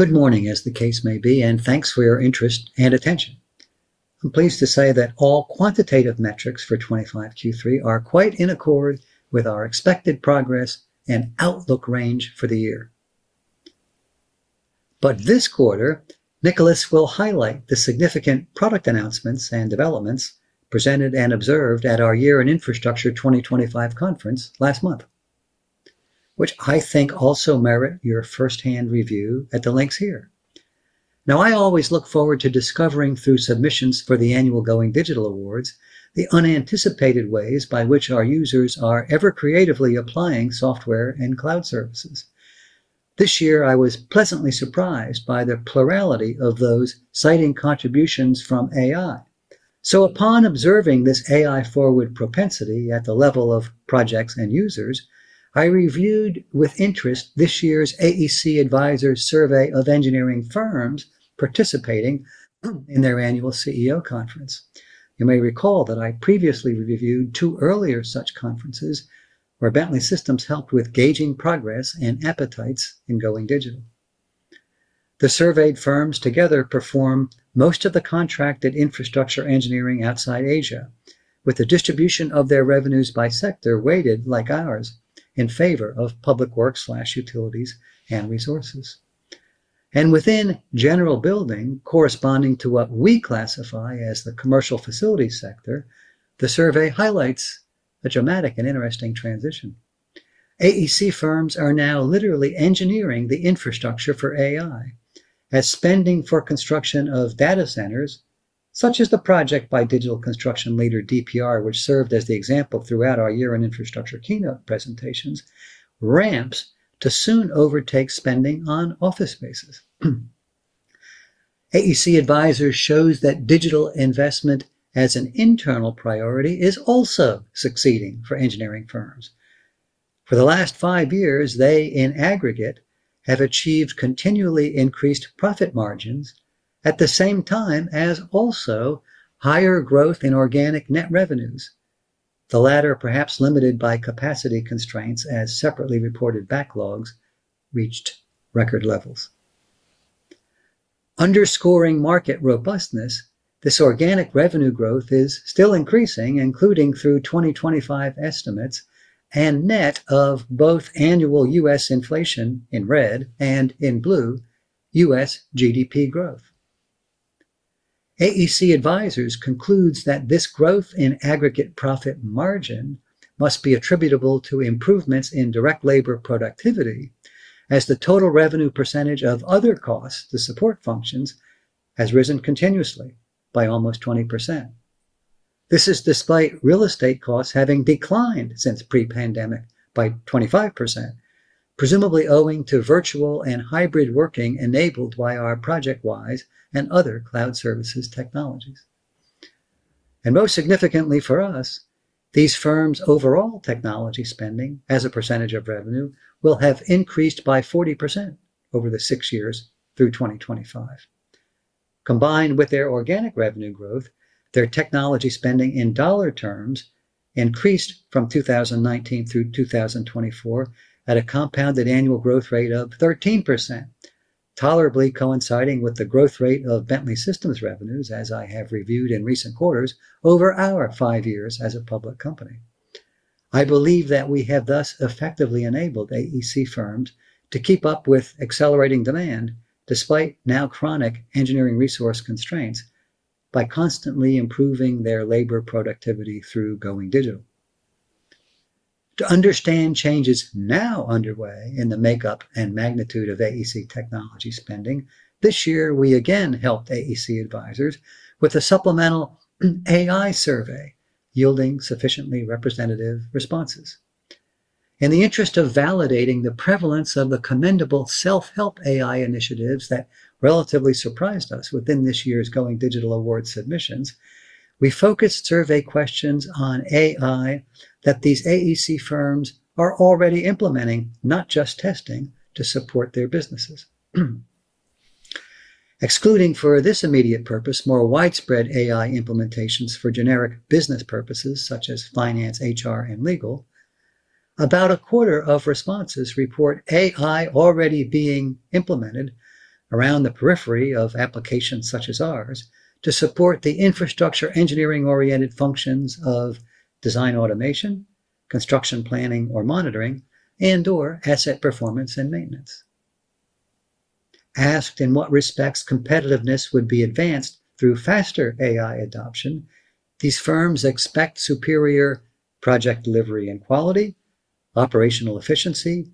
Good morning, as the case may be, and thanks for your interest and attention. I'm pleased to say that all quantitative metrics for 25Q3 are quite in accord with our expected progress and outlook range for the year. This quarter, Nicholas will highlight the significant product announcements and developments presented and observed at our Year in Infrastructure 2025 conference last month, which I think also merit your first-hand review at the links here. I always look forward to discovering through submissions for the annual Going Digital Awards the unanticipated ways by which our users are ever creatively applying software and cloud services. This year, I was pleasantly surprised by the plurality of those citing contributions from AI. Upon observing this AI-forward propensity at the level of projects and users, I reviewed with interest this year's AEC Advisors' survey of engineering firms participating in their annual CEO conference. You may recall that I previously reviewed two earlier such conferences where Bentley Systems helped with gauging progress and appetites in Going Digital. The surveyed firms together perform most of the contracted infrastructure engineering outside Asia, with the distribution of their revenues by sector weighted, like ours, in favor of public works/utilities and resources. Within general building, corresponding to what we classify as the commercial facilities sector, the survey highlights a dramatic and interesting transition. AEC firms are now literally engineering the infrastructure for AI, as spending for construction of data centers, such as the project by digital construction leader DPR, which served as the example throughout our Year in Infrastructure keynote presentations, ramps to soon overtake spending on office spaces. AEC Advisors shows that digital investment as an internal priority is also succeeding for engineering firms. For the last five years, they, in aggregate, have achieved continually increased profit margins at the same time as also higher growth in organic net revenues, the latter perhaps limited by capacity constraints as separately reported backlogs reached record levels. Underscoring market robustness, this organic revenue growth is still increasing, including through 2025 estimates and net of both annual U.S. inflation in red and in blue U.S. GDP growth. AEC Advisors concludes that this growth in aggregate profit margin must be attributable to improvements in direct labor productivity, as the total revenue percentage of other costs to support functions has risen continuously by almost 20%. This is despite real estate costs having declined since pre-pandemic by 25%, presumably owing to virtual and hybrid working enabled by our ProjectWise and other cloud services technologies. Most significantly for us, these firms' overall technology spending as a percentage of revenue will have increased by 40% over the six years through 2025. Combined with their organic revenue growth, their technology spending in dollar terms increased from 2019 through 2024 at a compounded annual growth rate of 13%. Tolerably coinciding with the growth rate of Bentley Systems' revenues, as I have reviewed in recent quarters over our five years as a public company. I believe that we have thus effectively enabled AEC firms to keep up with accelerating demand despite now chronic engineering resource constraints by constantly improving their labor productivity through Going Digital. To understand changes now underway in the makeup and magnitude of AEC technology spending, this year we again helped AEC Advisors with a supplemental AI survey yielding sufficiently representative responses. In the interest of validating the prevalence of the commendable self-help AI initiatives that relatively surprised us within this year's Going Digital Awards submissions, we focused survey questions on AI that these AEC firms are already implementing, not just testing, to support their businesses. Excluding for this immediate purpose more widespread AI implementations for generic business purposes such as finance, HR, and legal. About a quarter of responses report AI already being implemented around the periphery of applications such as ours to support the infrastructure engineering-oriented functions of design automation, construction planning or monitoring, and/or asset performance and maintenance. Asked in what respects competitiveness would be advanced through faster AI adoption, these firms expect superior project delivery and quality, operational efficiency,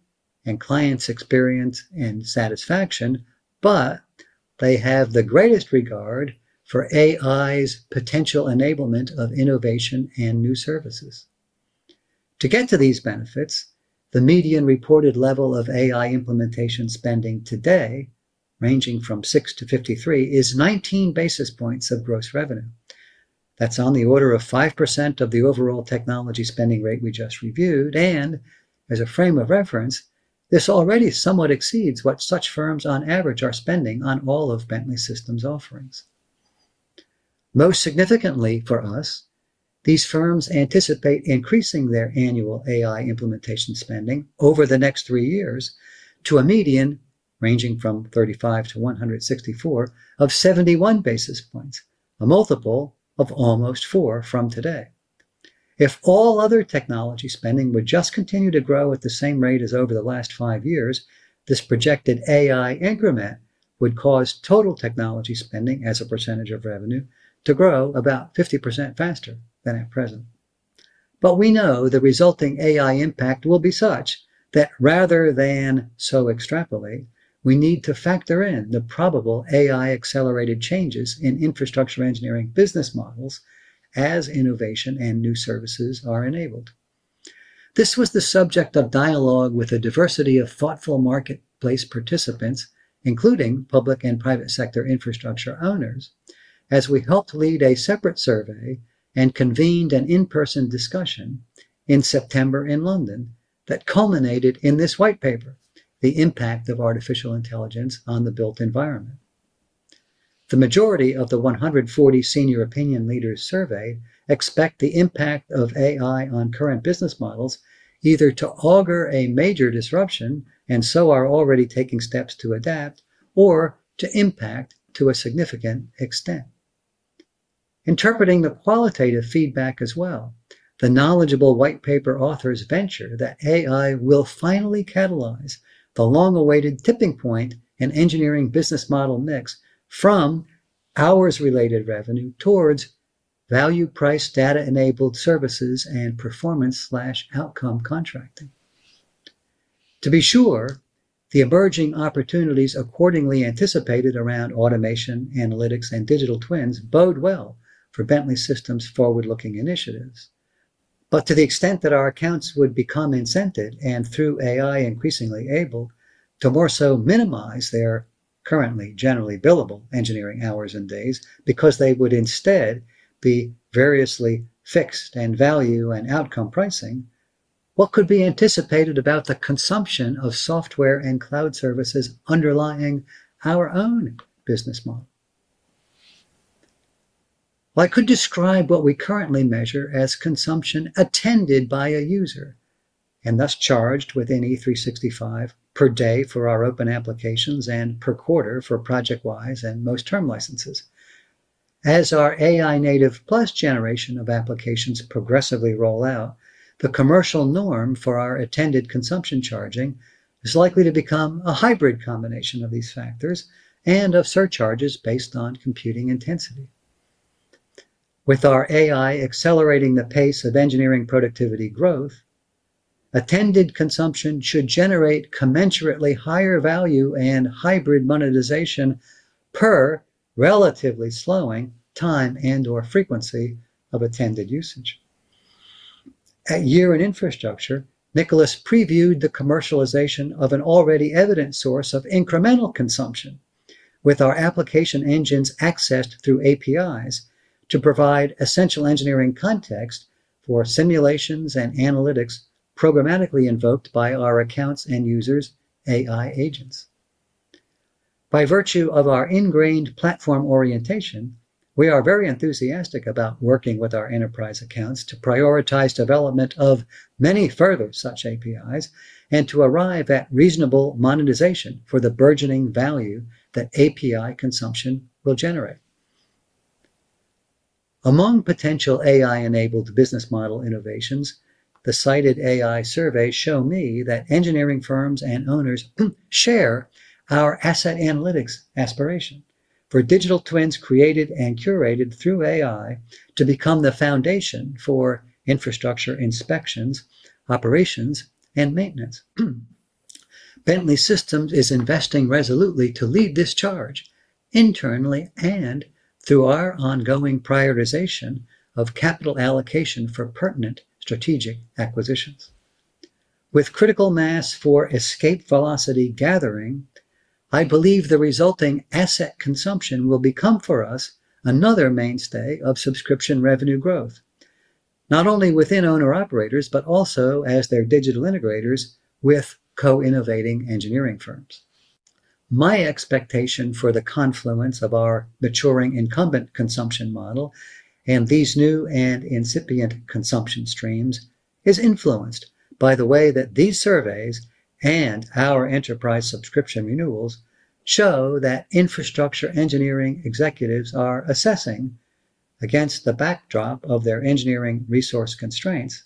and clients' experience and satisfaction, but they have the greatest regard for AI's potential enablement of innovation and new services. To get to these benefits, the median reported level of AI implementation spending today, ranging from 6-53, is 19 basis points of gross revenue. That is on the order of 5% of the overall technology spending rate we just reviewed. As a frame of reference, this already somewhat exceeds what such firms on average are spending on all of Bentley Systems' offerings. Most significantly for us, these firms anticipate increasing their annual AI implementation spending over the next three years to a median ranging from 35-164 of 71 basis points, a multiple of almost four from today. If all other technology spending would just continue to grow at the same rate as over the last five years, this projected AI increment would cause total technology spending as a percentage of revenue to grow about 50% faster than at present. We know the resulting AI impact will be such that rather than so extrapolate, we need to factor in the probable AI-accelerated changes in infrastructure engineering business models as innovation and new services are enabled. This was the subject of dialogue with a diversity of thoughtful marketplace participants, including public and private sector infrastructure owners, as we helped lead a separate survey and convened an in-person discussion in September in London that culminated in this white paper, The Impact of Artificial Intelligence on the Built Environment. The majority of the 140 senior opinion leaders surveyed expect the impact of AI on current business models either to augur a major disruption and so are already taking steps to adapt or to impact to a significant extent. Interpreting the qualitative feedback as well, the knowledgeable white paper authors venture that AI will finally catalyze the long-awaited tipping point in engineering business model mix from hours-related revenue towards value-priced data-enabled services and performance/outcome contracting. To be sure, the emerging opportunities accordingly anticipated around automation, analytics, and digital twins bode well for Bentley Systems' forward-looking initiatives. To the extent that our accounts would become incented and through AI increasingly able to more so minimize their currently generally billable engineering hours and days because they would instead be variously fixed in value and outcome pricing, what could be anticipated about the consumption of software and cloud services underlying our own business model? I could describe what we currently measure as consumption attended by a user and thus charged within E365 per day for our open applications and per quarter for ProjectWise and most term licenses. As our AI-native plus generation of applications progressively roll out, the commercial norm for our attended consumption charging is likely to become a hybrid combination of these factors and of surcharges based on computing intensity. With our AI accelerating the pace of engineering productivity growth, attended consumption should generate commensurately higher value and hybrid monetization per relatively slowing time and/or frequency of attended usage. At Year in Infrastructure, Nicholas previewed the commercialization of an already evident source of incremental consumption with our application engines accessed through APIs to provide essential engineering context for simulations and analytics programmatically invoked by our accounts and users' AI agents. By virtue of our ingrained platform orientation, we are very enthusiastic about working with our enterprise accounts to prioritize development of many further such APIs and to arrive at reasonable monetization for the burgeoning value that API consumption will generate. Among potential AI-enabled business model innovations, the cited AI surveys show me that engineering firms and owners share our asset analytics aspiration for digital twins created and curated through AI to become the foundation for infrastructure inspections, operations, and maintenance. Bentley Systems is investing resolutely to lead this charge internally and through our ongoing prioritization of capital allocation for pertinent strategic acquisitions. With critical mass for escape velocity gathering, I believe the resulting asset consumption will become for us another mainstay of subscription revenue growth, not only within owner-operators but also as their digital integrators with co-innovating engineering firms. My expectation for the confluence of our maturing incumbent consumption model and these new and incipient consumption streams is influenced by the way that these surveys and our enterprise subscription renewals show that infrastructure engineering executives are assessing, against the backdrop of their engineering resource constraints,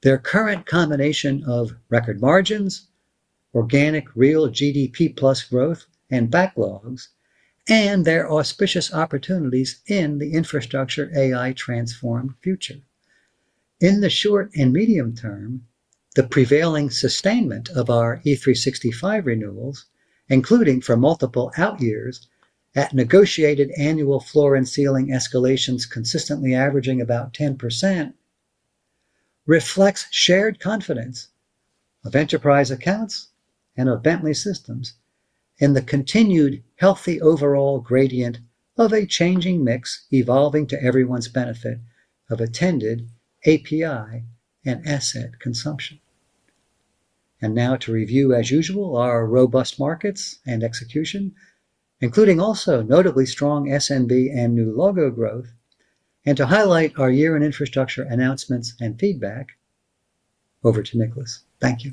their current combination of record margins, organic real GDP plus growth and backlogs, and their auspicious opportunities in the infrastructure AI-transformed future. In the short and medium term, the prevailing sustainment of our E365 renewals, including for multiple out-years at negotiated annual floor and ceiling escalations consistently averaging about 10%, reflects shared confidence of enterprise accounts and of Bentley Systems in the continued healthy overall gradient of a changing mix evolving to everyone's benefit of attended API and asset consumption. Now to review, as usual, our robust markets and execution, including also notably strong SNB and new logo growth, and to highlight our Year in Infrastructure announcements and feedback. Over to Nicholas. Thank you.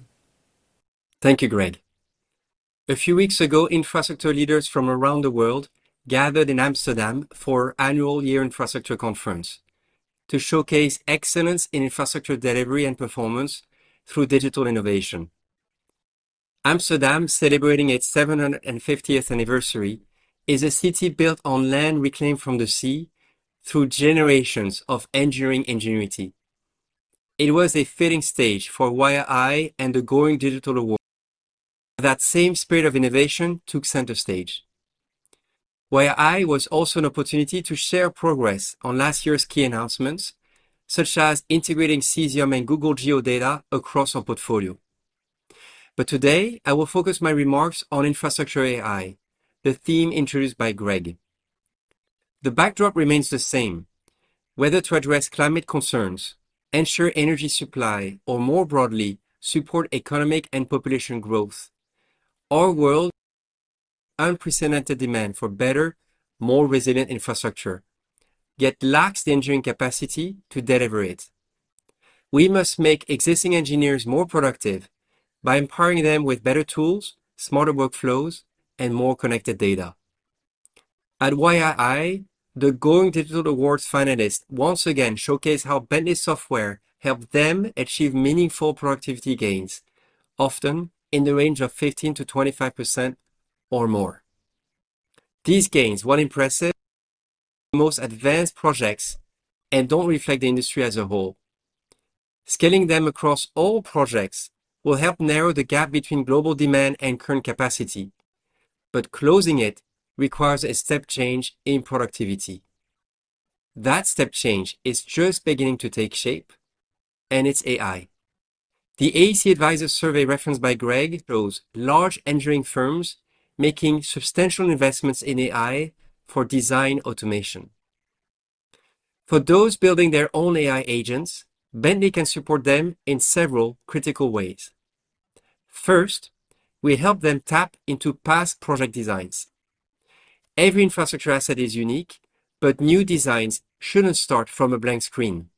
Thank you, Greg. A few weeks ago, infrastructure leaders from around the world gathered in Amsterdam for annual Year in Infrastructure conference to showcase excellence in infrastructure delivery and performance through digital innovation. Amsterdam, celebrating its 750th anniversary, is a city built on land reclaimed from the sea through generations of engineering ingenuity. It was a fitting stage for WireEye and the Growing Digital Award. That same spirit of innovation took center stage. WireEye was also an opportunity to share progress on last year's key announcements, such as integrating Cesium and Google Geo data across our portfolio. Today, I will focus my remarks on infrastructure AI, the theme introduced by Greg. The backdrop remains the same. Whether to address climate concerns, ensure energy supply, or more broadly, support economic and population growth. Our world. Unprecedented demand for better, more resilient infrastructure yet lacks the engineering capacity to deliver it. We must make existing engineers more productive by empowering them with better tools, smarter workflows, and more connected data. At the Going Digital Awards, the finalists once again showcased how Bentley software helped them achieve meaningful productivity gains, often in the range of 15%-25% or more. These gains were impressive. Most advanced projects and do not reflect the industry as a whole. Scaling them across all projects will help narrow the gap between global demand and current capacity. Closing it requires a step change in productivity. That step change is just beginning to take shape, and it is AI. The AEC Advisors survey referenced by Greg shows large engineering firms making substantial investments in AI for design automation. For those building their own AI agents, Bentley can support them in several critical ways. First, we help them tap into past project designs. Every infrastructure asset is unique, but new designs shouldn't start from a blank screen.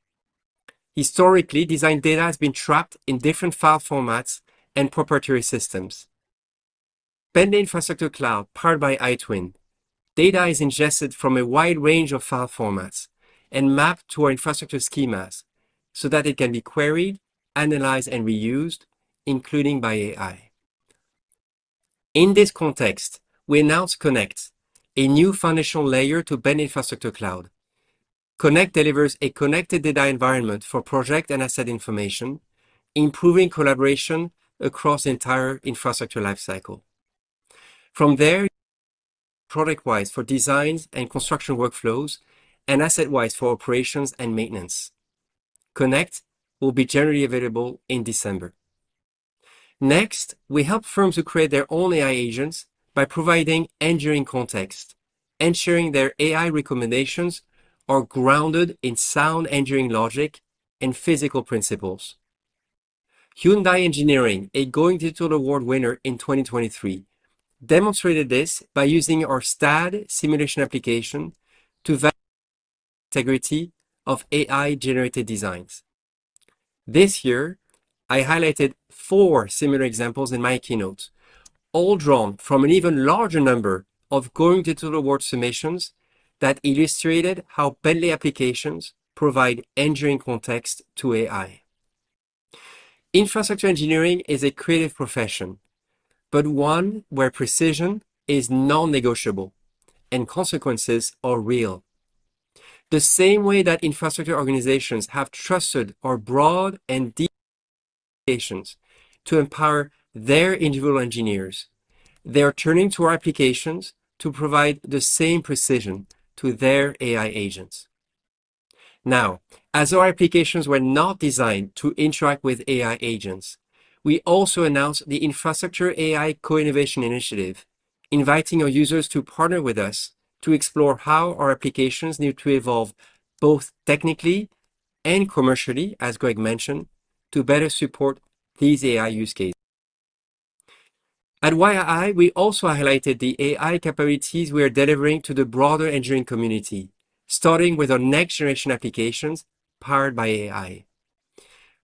Historically, design data has been trapped in different file formats and proprietary systems. With Bentley Infrastructure Cloud, powered by iTwin, data is ingested from a wide range of file formats and mapped to our infrastructure schemas so that it can be queried, analyzed, and reused, including by AI. In this context, we announced Connect, a new foundational layer to Bentley Infrastructure Cloud. Connect delivers a connected data environment for project and asset information, improving collaboration across the entire infrastructure lifecycle. From there, ProjectWise for designs and construction workflows and AssetWise for operations and maintenance. Connect will be generally available in December. Next, we help firms who create their own AI agents by providing engineering context, ensuring their AI recommendations are grounded in sound engineering logic and physical principles. Hyundai Engineering, a Growing Digital Award winner in 2023, demonstrated this by using our STAD simulation application to validate the integrity of AI-generated designs. This year, I highlighted four similar examples in my keynote, all drawn from an even larger number of Growing Digital Award submissions that illustrated how Bentley applications provide engineering context to AI. Infrastructure engineering is a creative profession, but one where precision is non-negotiable and consequences are real. The same way that infrastructure organizations have trusted our broad and deep applications to empower their individual engineers, they are turning to our applications to provide the same precision to their AI agents. Now, as our applications were not designed to interact with AI agents, we also announced the Infrastructure AI Co-Innovation Initiative, inviting our users to partner with us to explore how our applications need to evolve both technically and commercially, as Greg mentioned, to better support these AI use cases. At Year in Infrastructure, we also highlighted the AI capabilities we are delivering to the broader engineering community, starting with our next-generation applications powered by AI.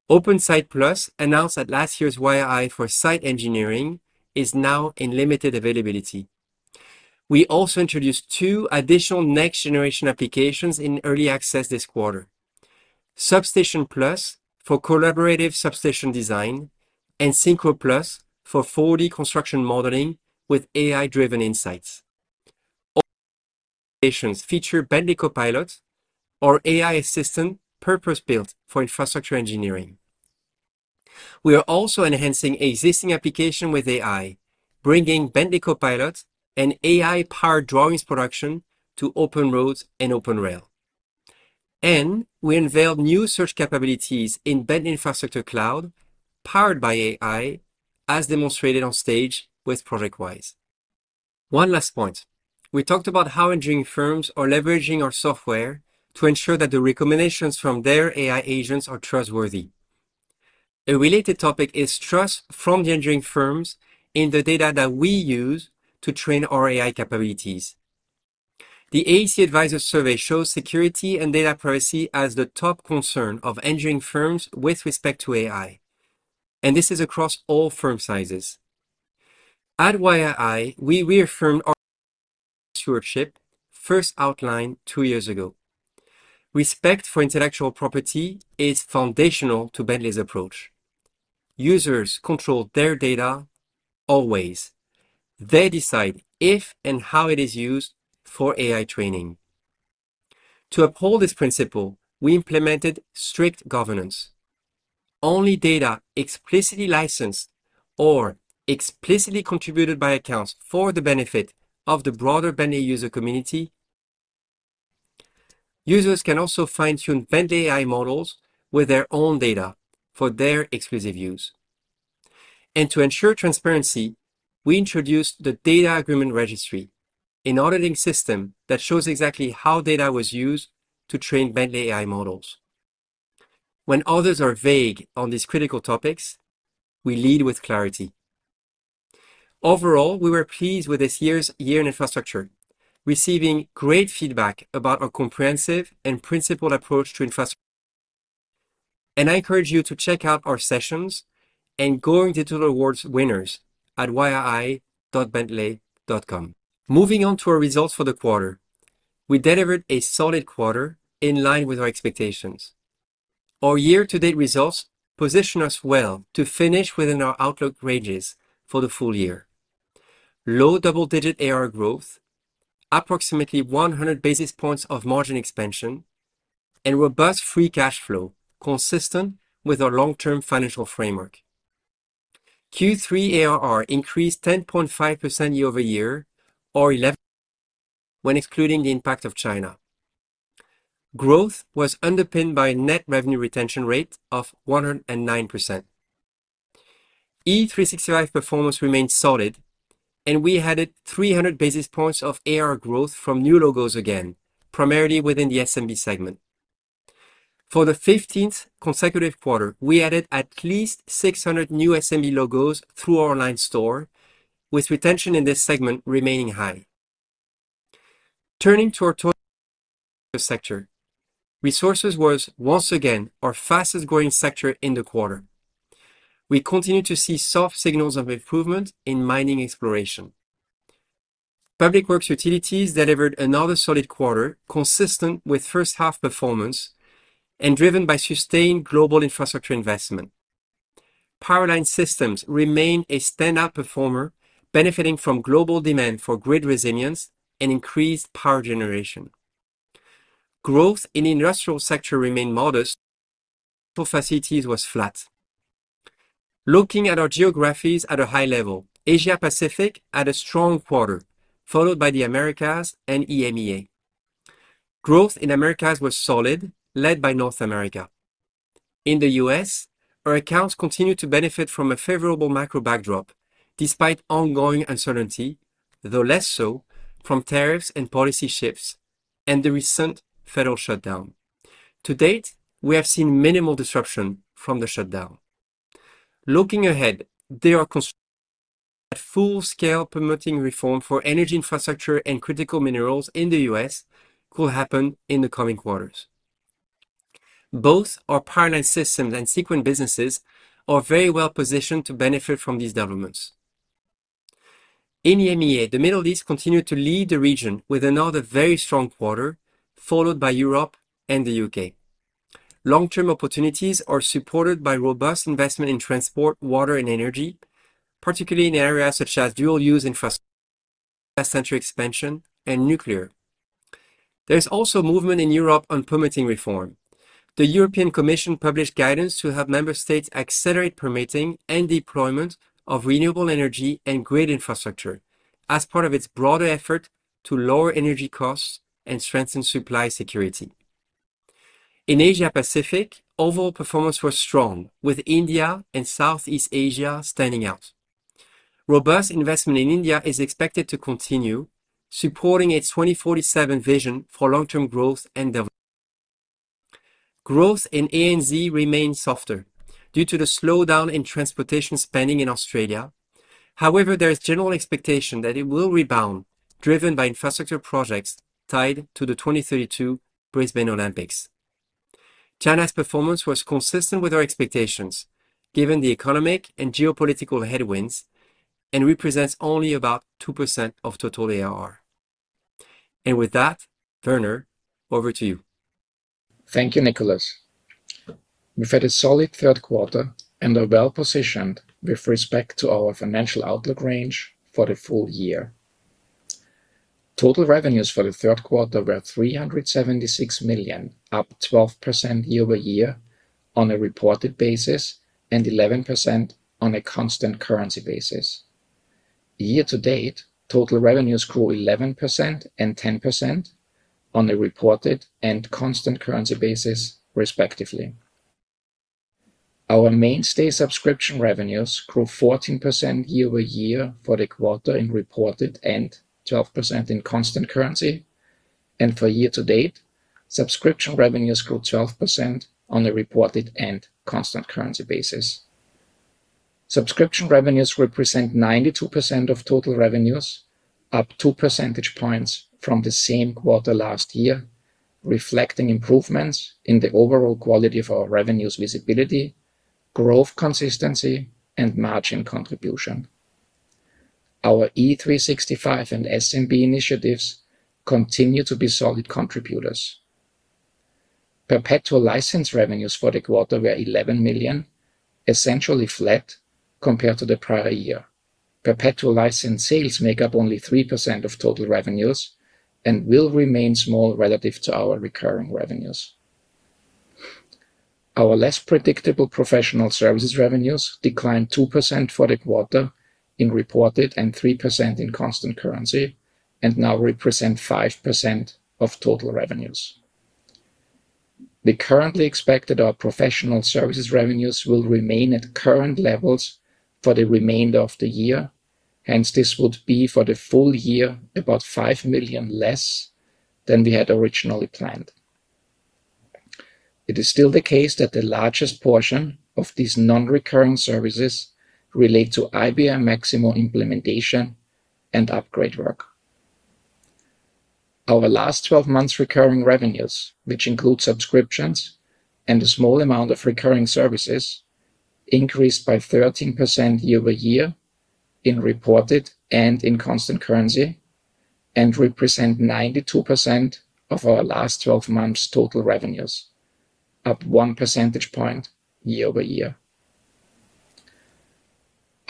OpenSite+ announced that last year's Year in Infrastructure for site engineering is now in limited availability. We also introduced two additional next-generation applications in early access this quarter. Substation+ for collaborative substation design and Synchro+ for 4D construction modeling with AI-driven insights. All applications feature Bentley Copilot, our AI assistant purpose-built for infrastructure engineering. We are also enhancing existing applications with AI, bringing Bentley Copilot and AI-powered drawings production to Open Roads and Open Rail. We unveiled new search capabilities in Bentley Infrastructure Cloud powered by AI, as demonstrated on stage with ProjectWise. One last point. We talked about how engineering firms are leveraging our software to ensure that the recommendations from their AI agents are trustworthy. A related topic is trust from the engineering firms in the data that we use to train our AI capabilities. The AEC Advisors survey shows security and data privacy as the top concern of engineering firms with respect to AI. This is across all firm sizes. At WireEye, we reaffirmed our stewardship first outlined two years ago. Respect for intellectual property is foundational to Bentley's approach. Users control their data. Always. They decide if and how it is used for AI training. To uphold this principle, we implemented strict governance. Only data explicitly licensed or explicitly contributed by accounts for the benefit of the broader Bentley user community. Users can also fine-tune Bentley AI models with their own data for their exclusive use. To ensure transparency, we introduced the Data Agreement Registry, an auditing system that shows exactly how data was used to train Bentley AI models. When others are vague on these critical topics, we lead with clarity. Overall, we were pleased with this year's Year in Infrastructure, receiving great feedback about our comprehensive and principled approach to infrastructure. I encourage you to check out our sessions and Growing Digital Awards winners at wireeye.bentley.com. Moving on to our results for the quarter, we delivered a solid quarter in line with our expectations. Our year-to-date results position us well to finish within our outlook ranges for the full year. Low double-digit ARR growth, approximately 100 basis points of margin expansion, and robust free cash flow consistent with our long-term financial framework. Q3 ARR increased 10.5% year-over-year, or 11% when excluding the impact of China. Growth was underpinned by a net revenue retention rate of 109%. E365 performance remained solid, and we added 300 basis points of ARR growth from new logos again, primarily within the SMB segment. For the 15th consecutive quarter, we added at least 600 new SMB logos through our online store, with retention in this segment remaining high. Turning to our total sector, resources was once again our fastest-growing sector in the quarter. We continue to see soft signals of improvement in mining exploration. Public Works Utilities delivered another solid quarter consistent with first-half performance and driven by sustained global infrastructure investment. Power Line Systems remained a standout performer, benefiting from global demand for grid resilience and increased power generation. Growth in the industrial sector remained modest. Capacities was flat. Looking at our geographies at a high level, Asia-Pacific had a strong quarter, followed by the Americas and EMEA. Growth in the Americas was solid, led by North America. In the U.S., our accounts continue to benefit from a favorable macro backdrop despite ongoing uncertainty, though less so from tariffs and policy shifts and the recent federal shutdown. To date, we have seen minimal disruption from the shutdown. Looking ahead, there are concerns that full-scale permitting reform for energy infrastructure and critical minerals in the U.S. could happen in the coming quarters. Both our Power Line Systems and Seequent businesses are very well positioned to benefit from these developments. In EMEA, the Middle East continued to lead the region with another very strong quarter, followed by Europe and the U.K. Long-term opportunities are supported by robust investment in transport, water, and energy, particularly in areas such as dual-use infrastructure, sensory expansion, and nuclear. There is also movement in Europe on permitting reform. The European Commission published guidance to help member states accelerate permitting and deployment of renewable energy and grid infrastructure as part of its broader effort to lower energy costs and strengthen supply security. In Asia-Pacific, overall performance was strong, with India and Southeast Asia standing out. Robust investment in India is expected to continue, supporting its 2047 vision for long-term growth and development. Growth in ANZ remained softer due to the slowdown in transportation spending in Australia. However, there is general expectation that it will rebound, driven by infrastructure projects tied to the 2032 Brisbane Olympics. China's performance was consistent with our expectations, given the economic and geopolitical headwinds, and represents only about 2% of total ARR. With that, Werner, over to you. Thank you, Nicholas. We've had a solid third quarter and are well positioned with respect to our financial outlook range for the full year. Total revenues for the third quarter were $376 million, up 12% year-over-year on a reported basis and 11% on a constant currency basis. Year-to-date, total revenues grew 11% and 10% on a reported and constant currency basis, respectively. Our mainstay subscription revenues grew 14% year-over-year for the quarter in reported and 12% in constant currency. For year-to-date, subscription revenues grew 12% on a reported and constant currency basis. Subscription revenues represent 92% of total revenues, up 2 percentage points from the same quarter last year, reflecting improvements in the overall quality of our revenues visibility, growth consistency, and margin contribution. Our E365 and SMB initiatives continue to be solid contributors. Perpetual license revenues for the quarter were $11 million, essentially flat compared to the prior year. Perpetual license sales make up only 3% of total revenues and will remain small relative to our recurring revenues. Our less predictable professional services revenues declined 2% for the quarter in reported and 3% in constant currency, and now represent 5% of total revenues. We currently expect that our professional services revenues will remain at current levels for the remainder of the year. Hence, this would be for the full year about $5 million less than we had originally planned. It is still the case that the largest portion of these non-recurring services relate to IBM Maximo implementation and upgrade work. Our last 12 months' recurring revenues, which include subscriptions and a small amount of recurring services, increased by 13% year-over-year in reported and in constant currency and represent 92% of our last 12 months' total revenues, up 1 percentage point year-over-year.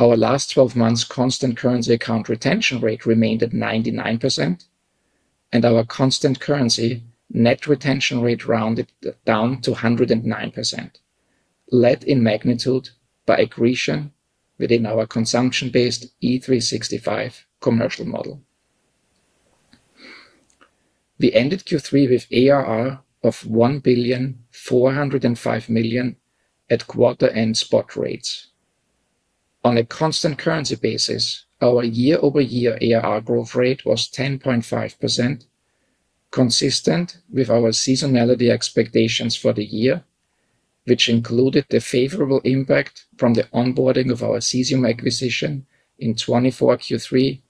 Our last 12 months' constant currency account retention rate remained at 99%. Our constant currency net retention rate rounded down to 109%. Led in magnitude by accretion within our consumption-based E365 commercial model. We ended Q3 with ARR of $1,405 million at quarter-end spot rates. On a constant currency basis, our year-over-year ARR growth rate was 10.5%. Consistent with our seasonality expectations for the year, which included the favorable impact from the onboarding of our Cesium acquisition in 2024 Q3,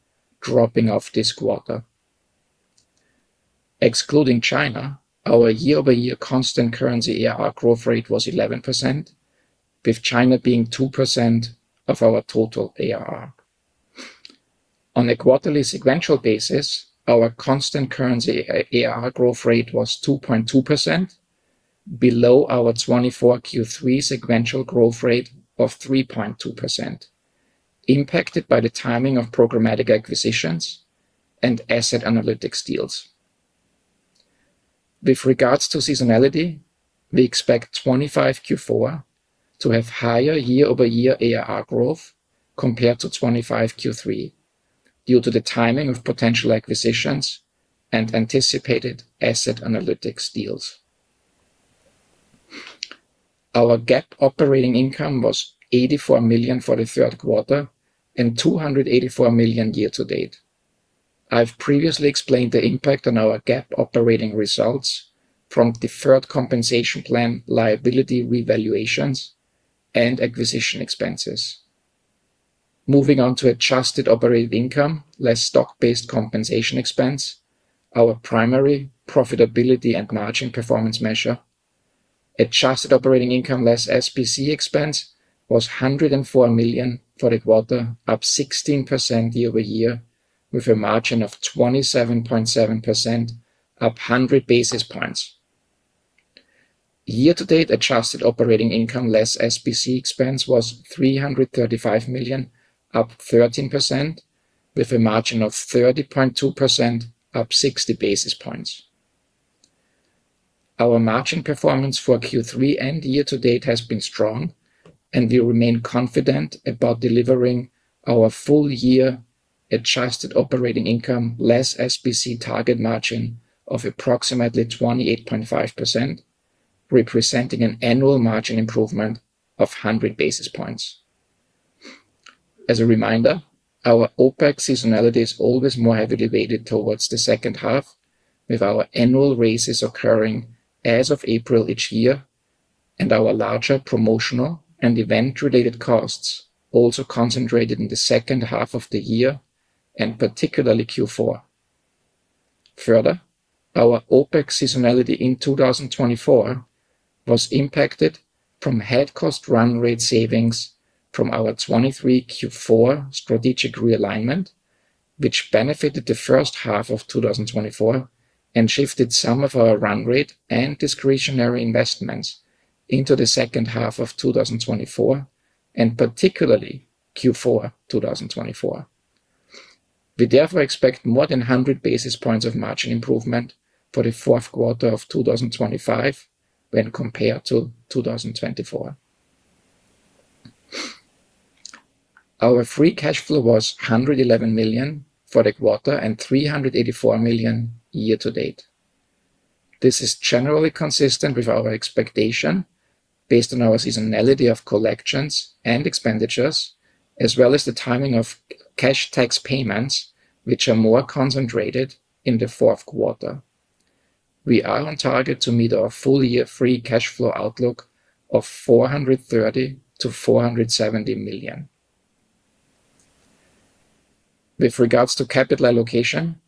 dropping off this quarter. Excluding China, our year-over-year constant currency ARR growth rate was 11%. With China being 2% of our total ARR. On a quarterly sequential basis, our constant currency ARR growth rate was 2.2%. Below our 2024 Q3 sequential growth rate of 3.2%. Impacted by the timing of programmatic acquisitions and asset analytics deals. With regards to seasonality, we expect 2025 Q4 to have higher year-over-year ARR growth compared to 2025 Q3 due to the timing of potential acquisitions and anticipated asset analytics deals. Our GAAP operating income was $84 million for the third quarter and $284 million year-to-date. I've previously explained the impact on our GAAP operating results from deferred compensation plan liability revaluations and acquisition expenses. Moving on to adjusted operating income less stock-based compensation expense, our primary profitability and margin performance measure. Adjusted operating income less SPC expense was $104 million for the quarter, up 16% year-over-year with a margin of 27.7%. Up 100 basis points. Year-to-date adjusted operating income less SPC expense was $335 million, up 13%, with a margin of 30.2%, up 60 basis points. Our margin performance for Q3 and year-to-date has been strong, and we remain confident about delivering our full-year adjusted operating income less SPC target margin of approximately 28.5%. Representing an annual margin improvement of 100 basis points. As a reminder, our OpEx seasonality is always more heavily weighted towards the second half, with our annual raises occurring as of April each year, and our larger promotional and event-related costs also concentrated in the second half of the year and particularly Q4. Further, our OpEx seasonality in 2024 was impacted from headcount run rate savings from our 2023 Q4 strategic realignment, which benefited the first half of 2024 and shifted some of our run rate and discretionary investments into the second half of 2024 and particularly Q4 2024. We therefore expect more than 100 basis points of margin improvement for the fourth quarter of 2025 when compared to 2024. Our free cash flow was $111 million for the quarter and $384 million year-to-date. This is generally consistent with our expectation based on our seasonality of collections and expenditures, as well as the timing of cash tax payments, which are more concentrated in the fourth quarter. We are on target to meet our full-year free cash flow outlook of $430 million-$470 million. With regards to capital allocation,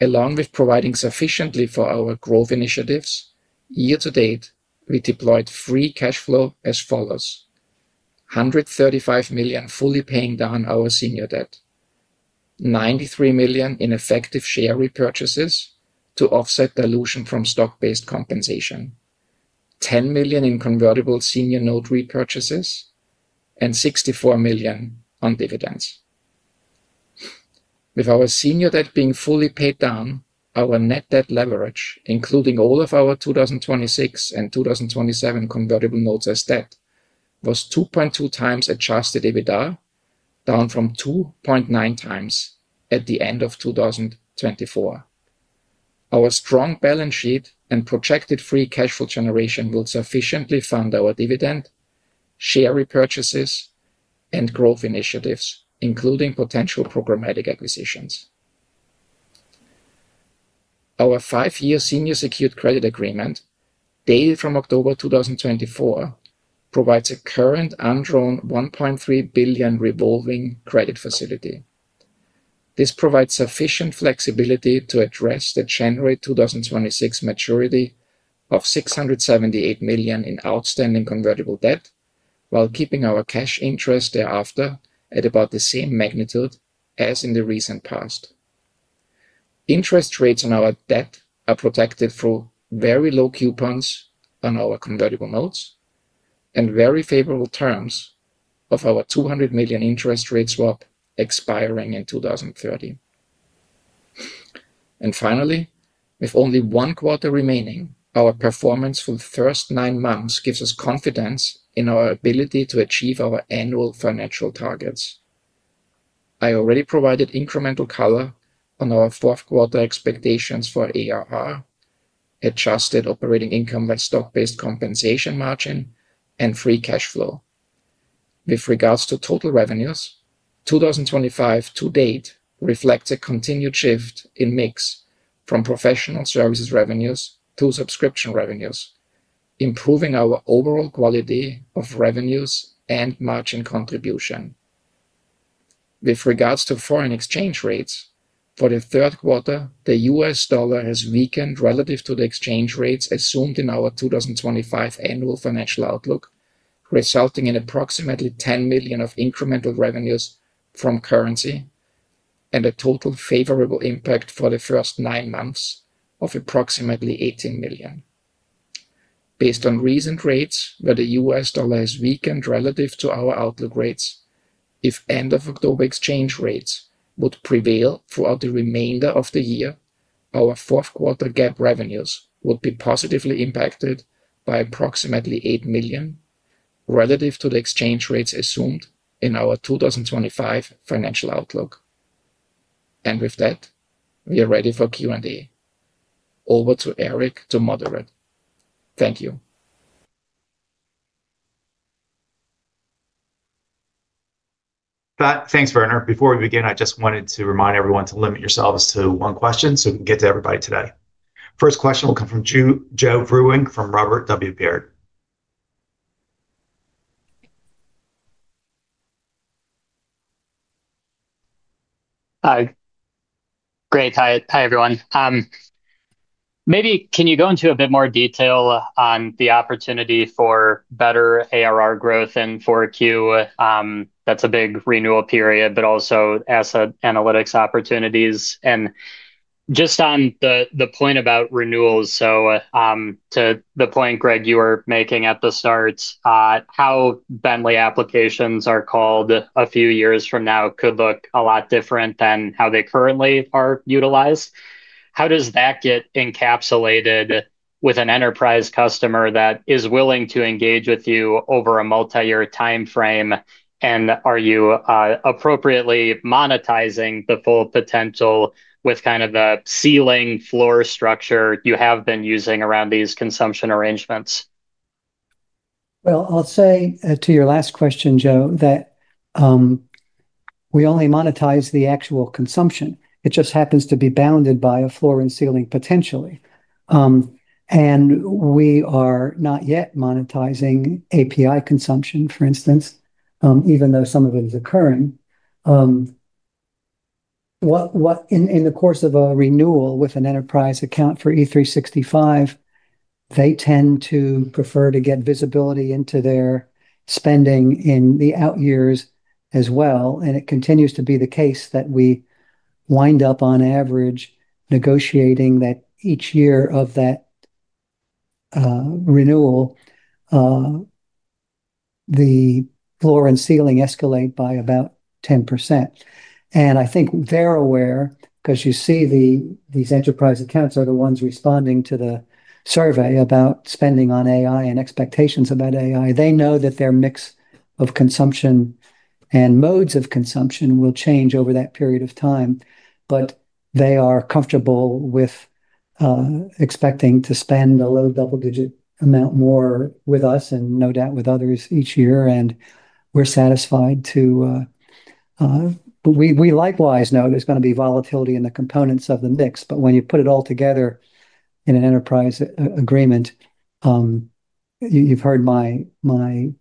along with providing sufficiently for our growth initiatives, year-to-date, we deployed free cash flow as follows. $135 million fully paying down our senior debt. $93 million in effective share repurchases to offset dilution from stock-based compensation. $10 million in convertible senior note repurchases, and $64 million on dividends. With our senior debt being fully paid down, our net debt leverage, including all of our 2026 and 2027 convertible notes as debt, was 2.2x adjusted EBITDA, down from 2.9x at the end of 2024. Our strong balance sheet and projected free cash flow generation will sufficiently fund our dividend, share repurchases, and growth initiatives, including potential programmatic acquisitions. Our five-year senior secured credit agreement, dated from October 2024, provides a current undrawn $1.3 billion revolving credit facility. This provides sufficient flexibility to address the January 2026 maturity of $678 million in outstanding convertible debt, while keeping our cash interest thereafter at about the same magnitude as in the recent past. Interest rates on our debt are protected through very low coupons on our convertible notes and very favorable terms of our $200 million interest rate swap expiring in 2030. Finally, with only one quarter remaining, our performance for the first nine months gives us confidence in our ability to achieve our annual financial targets. I already provided incremental color on our fourth quarter expectations for ARR, adjusted operating income by stock-based compensation margin, and free cash flow. With regards to total revenues, 2025 to date reflects a continued shift in mix from professional services revenues to subscription revenues, improving our overall quality of revenues and margin contribution. With regards to foreign exchange rates, for the third quarter, the US dollar has weakened relative to the exchange rates assumed in our 2025 annual financial outlook, resulting in approximately $10 million of incremental revenues from currency and a total favorable impact for the first nine months of approximately $18 million. Based on recent rates, where the US dollar has weakened relative to our outlook rates, if end-of-October exchange rates would prevail throughout the remainder of the year, our fourth quarter GAAP revenues would be positively impacted by approximately $8 million. Relative to the exchange rates assumed in our 2025 financial outlook. With that, we are ready for Q&A. Over to Eric to moderate. Thank you. Thanks, Werner. Before we begin, I just wanted to remind everyone to limit yourselves to one question so we can get to everybody today. First question will come from Joe Vruwink from Robert W. Baird. Hi. Great. Hi, everyone. Maybe can you go into a bit more detail on the opportunity for better ARR growth and 4Q? That's a big renewal period, but also asset analytics opportunities. And just on the point about renewals, to the point, Greg, you were making at the start, how Bentley applications are called a few years from now could look a lot different than how they currently are utilized. How does that get encapsulated with an enterprise customer that is willing to engage with you over a multi-year time frame? And are you appropriately monetizing the full potential with kind of the ceiling floor structure you have been using around these consumption arrangements? I'll say to your last question, Joe, that we only monetize the actual consumption. It just happens to be bounded by a floor and ceiling potentially. We are not yet monetizing API consumption, for instance, even though some of it is occurring. In the course of a renewal with an enterprise account for E365, they tend to prefer to get visibility into their spending in the out years as well. It continues to be the case that we wind up on average negotiating that each year of that renewal, the floor and ceiling escalate by about 10%. I think they're aware, because you see these enterprise accounts are the ones responding to the survey about spending on AI and expectations about AI. They know that their mix of consumption and modes of consumption will change over that period of time, but they are comfortable with. Expecting to spend a low double-digit amount more with us and no doubt with others each year. We are satisfied to. We likewise know there is going to be volatility in the components of the mix. When you put it all together in an enterprise agreement, you have heard my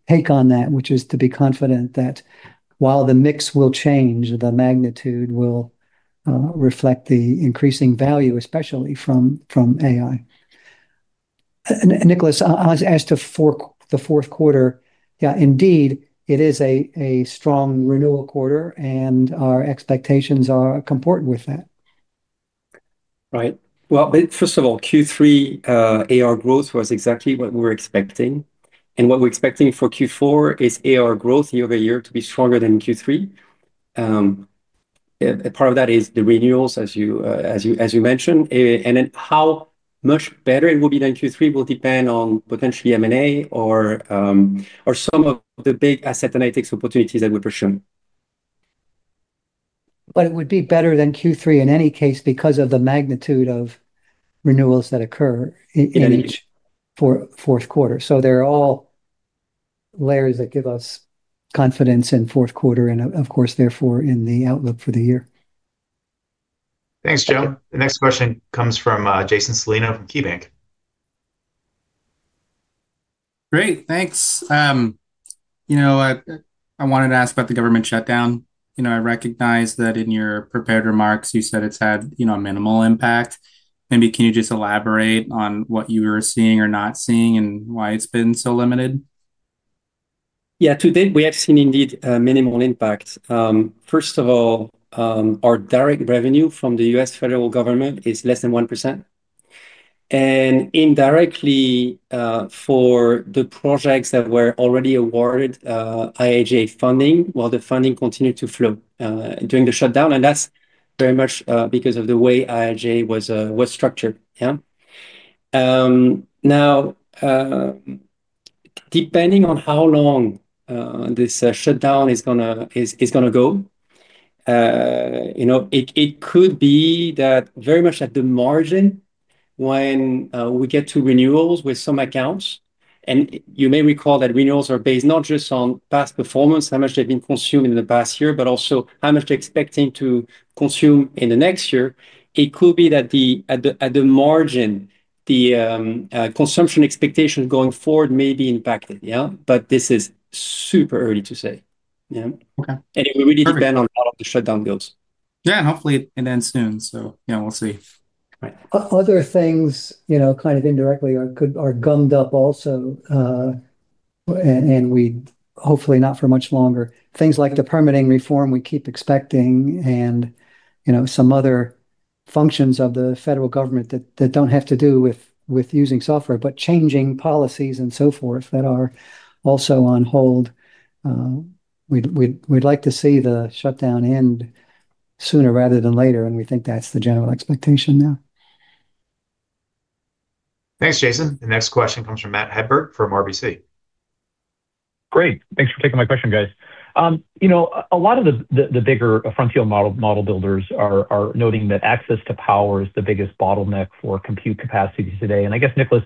take on that, which is to be confident that while the mix will change, the magnitude will reflect the increasing value, especially from AI. Nicholas, I was asked to forecast the fourth quarter. Yeah, indeed, it is a strong renewal quarter, and our expectations are comportant with that. First of all, Q3 ARR growth was exactly what we were expecting. What we are expecting for Q4 is ARR growth year-over-year to be stronger than Q3. Part of that is the renewals, as you mentioned. How much better it will be than Q3 will depend on potentially M&A or some of the big asset analytics opportunities that we're pursuing. It would be better than Q3 in any case because of the magnitude of renewals that occur in each fourth quarter. There are all layers that give us confidence in fourth quarter and, of course, therefore in the outlook for the year. Thanks, Joe. The next question comes from Jason Celino from KeyBanc. Great. Thanks. I wanted to ask about the government shutdown. I recognize that in your prepared remarks, you said it's had a minimal impact. Maybe can you just elaborate on what you were seeing or not seeing and why it's been so limited? Yeah. To date, we have seen indeed a minimal impact. First of all, our direct revenue from the US federal government is less than 1%. Indirectly. For the projects that were already awarded IIJA funding, the funding continued to flow during the shutdown. That is very much because of the way IIJA was structured. Now, depending on how long this shutdown is going to go, it could be that very much at the margin, when we get to renewals with some accounts. You may recall that renewals are based not just on past performance, how much they have been consumed in the past year, but also how much they are expecting to consume in the next year. It could be that at the margin, the consumption expectations going forward may be impacted. This is super early to say. And it will really depend on how long the shutdown goes. Yeah, hopefully, it ends soon. We will see. Other things kind of indirectly are gummed up also. We hopefully not for much longer. Things like the permitting reform we keep expecting and some other functions of the federal government that do not have to do with using software, but changing policies and so forth that are also on hold. We would like to see the shutdown end sooner rather than later. We think that is the general expectation now. Thanks, Jason. The next question comes from Matt Hedberg from RBC. Great. Thanks for taking my question, guys. A lot of the bigger frontier model builders are noting that access to power is the biggest bottleneck for compute capacity today. I guess, Nicholas,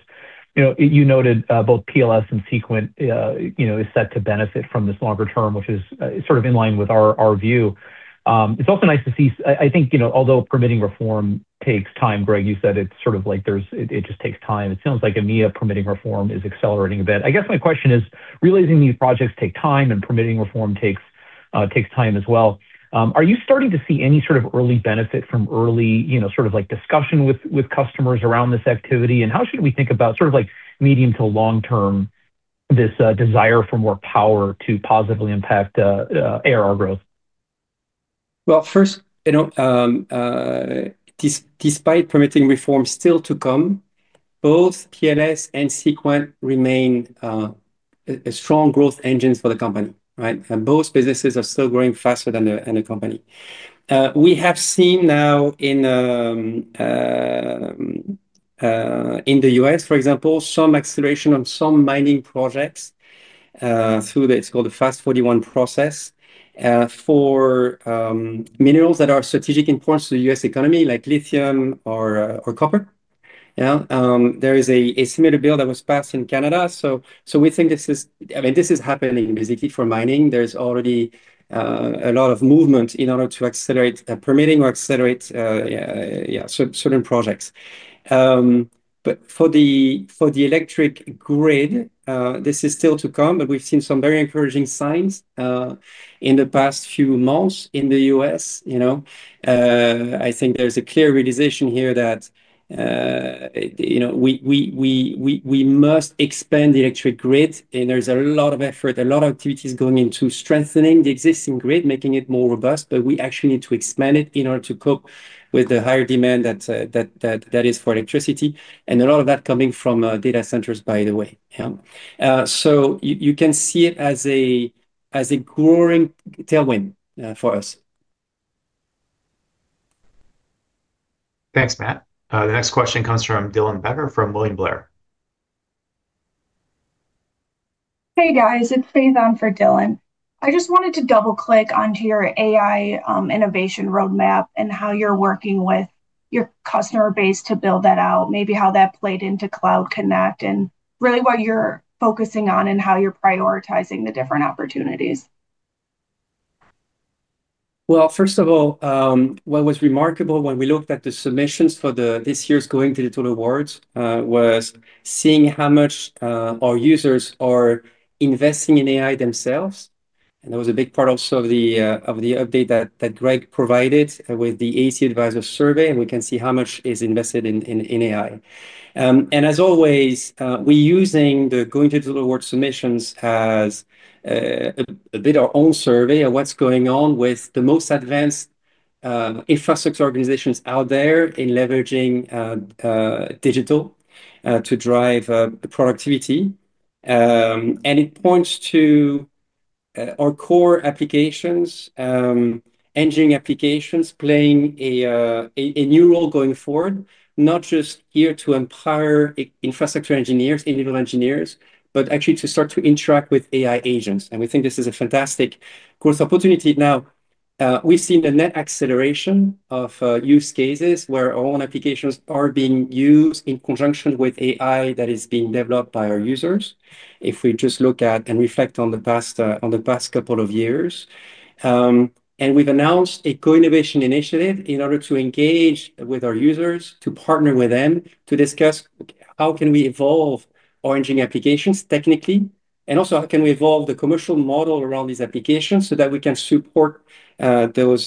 you noted both PLS and Seequent is set to benefit from this longer term, which is sort of in line with our view. It's also nice to see, I think, although permitting reform takes time, Greg, you said it's sort of like it just takes time. It sounds like EMEA permitting reform is accelerating a bit. I guess my question is, realizing these projects take time and permitting reform takes time as well, are you starting to see any sort of early benefit from early sort of discussion with customers around this activity? How should we think about sort of medium to long-term this desire for more power to positively impact ARR growth? First, despite permitting reform still to come, both Power Line Systems and Seequent remain strong growth engines for the company. Both businesses are still growing faster than the company. We have seen now in the US, for example, some acceleration on some mining projects through the, it's called the FAST-41 process. Minerals that are of strategic importance to the U.S. economy, like lithium or copper. There is a similar bill that was passed in Canada. So we think this is, I mean, this is happening basically for mining. There's already a lot of movement in order to accelerate permitting or accelerate certain projects. For the electric grid, this is still to come. We've seen some very encouraging signs in the past few months in the U.S. I think there's a clear realization here that we must expand the electric grid. There's a lot of effort, a lot of activities going into strengthening the existing grid, making it more robust. We actually need to expand it in order to cope with the higher demand that is for electricity. A lot of that coming from data centers, by the way. You can see it as a growing tailwind for us. Thanks, Matt. The next question comes from Dylan Becker from William Blair. Hey, guys, it's Faith on for Dylan. I just wanted to double-click onto your AI innovation roadmap and how you're working with your customer base to build that out, maybe how that played into Cloud Connect and really what you're focusing on and how you're prioritizing the different opportunities. First of all, what was remarkable when we looked at the submissions for this year's Going Digital Awards was seeing how much our users are investing in AI themselves. That was a big part also of the update that Greg provided with the AEC Advisors survey. We can see how much is invested in AI. As always, we're using the Going Digital Awards submissions as a bit of our own survey of what's going on with the most advanced. Infrastructure organizations out there in leveraging digital to drive productivity. It points to our core applications, engineering applications playing a new role going forward, not just here to empower infrastructure engineers, individual engineers, but actually to start to interact with AI agents. We think this is a fantastic growth opportunity. Now, we've seen the net acceleration of use cases where our own applications are being used in conjunction with AI that is being developed by our users. If we just look at and reflect on the past couple of years. We've announced a co-innovation initiative in order to engage with our users, to partner with them to discuss how can we evolve our engineering applications technically, and also how can we evolve the commercial model around these applications so that we can support those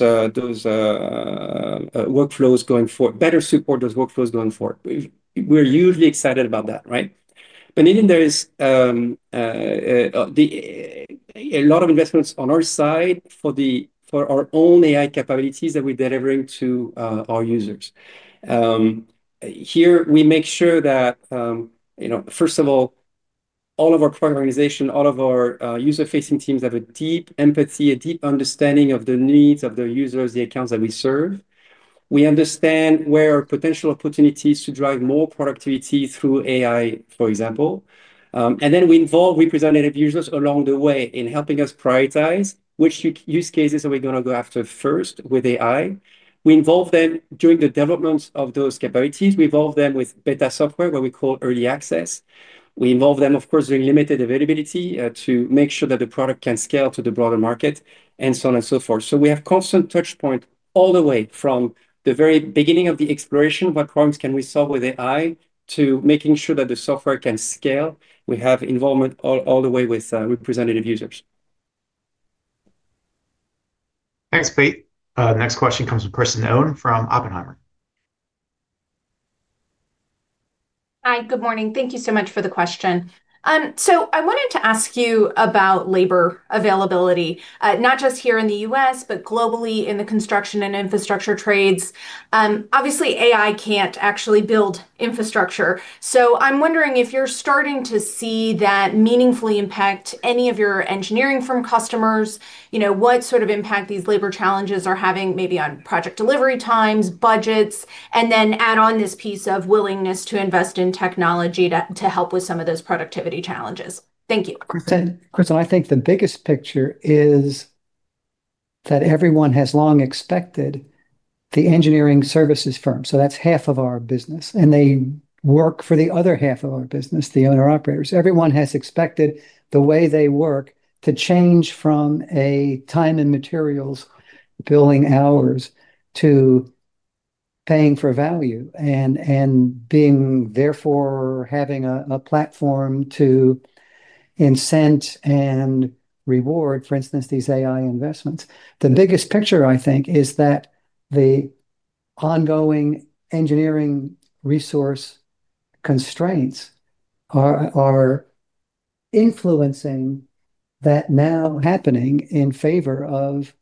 workflows going forward, better support those workflows going forward. We're hugely excited about that, right? In the end, there is a lot of investments on our side for our own AI capabilities that we're delivering to our users. Here, we make sure that, first of all, all of our core organization, all of our user-facing teams have a deep empathy, a deep understanding of the needs of the users, the accounts that we serve. We understand where our potential opportunities to drive more productivity through AI, for example. We involve representative users along the way in helping us prioritize which use cases are we going to go after first with AI. We involve them during the development of those capabilities. We involve them with beta software, what we call early access. We involve them, of course, during limited availability to make sure that the product can scale to the broader market and so on and so forth. We have constant touchpoint all the way from the very beginning of the exploration, what problems can we solve with AI, to making sure that the software can scale. We have involvement all the way with representative users. Thanks, Faith. The next question comes from Kristen Owen from Oppenheimer. Hi, good morning. Thank you so much for the question. I wanted to ask you about labor availability, not just here in the U.S., but globally in the construction and infrastructure trades. Obviously, AI can't actually build infrastructure. I'm wondering if you're starting to see that meaningfully impact any of your engineering firm customers, what sort of impact these labor challenges are having maybe on project delivery times, budgets, and then add on this piece of willingness to invest in technology to help with some of those productivity challenges. Thank you. Kristen, I think the biggest picture is that everyone has long expected the engineering services firm. So that's half of our business. And they work for the other half of our business, the owner-operators. Everyone has expected the way they work to change from a time and materials billing hours to paying for value and being therefore having a platform to incent and reward, for instance, these AI investments. The biggest picture, I think, is that the ongoing engineering resource constraints are influencing that now happening in favor of.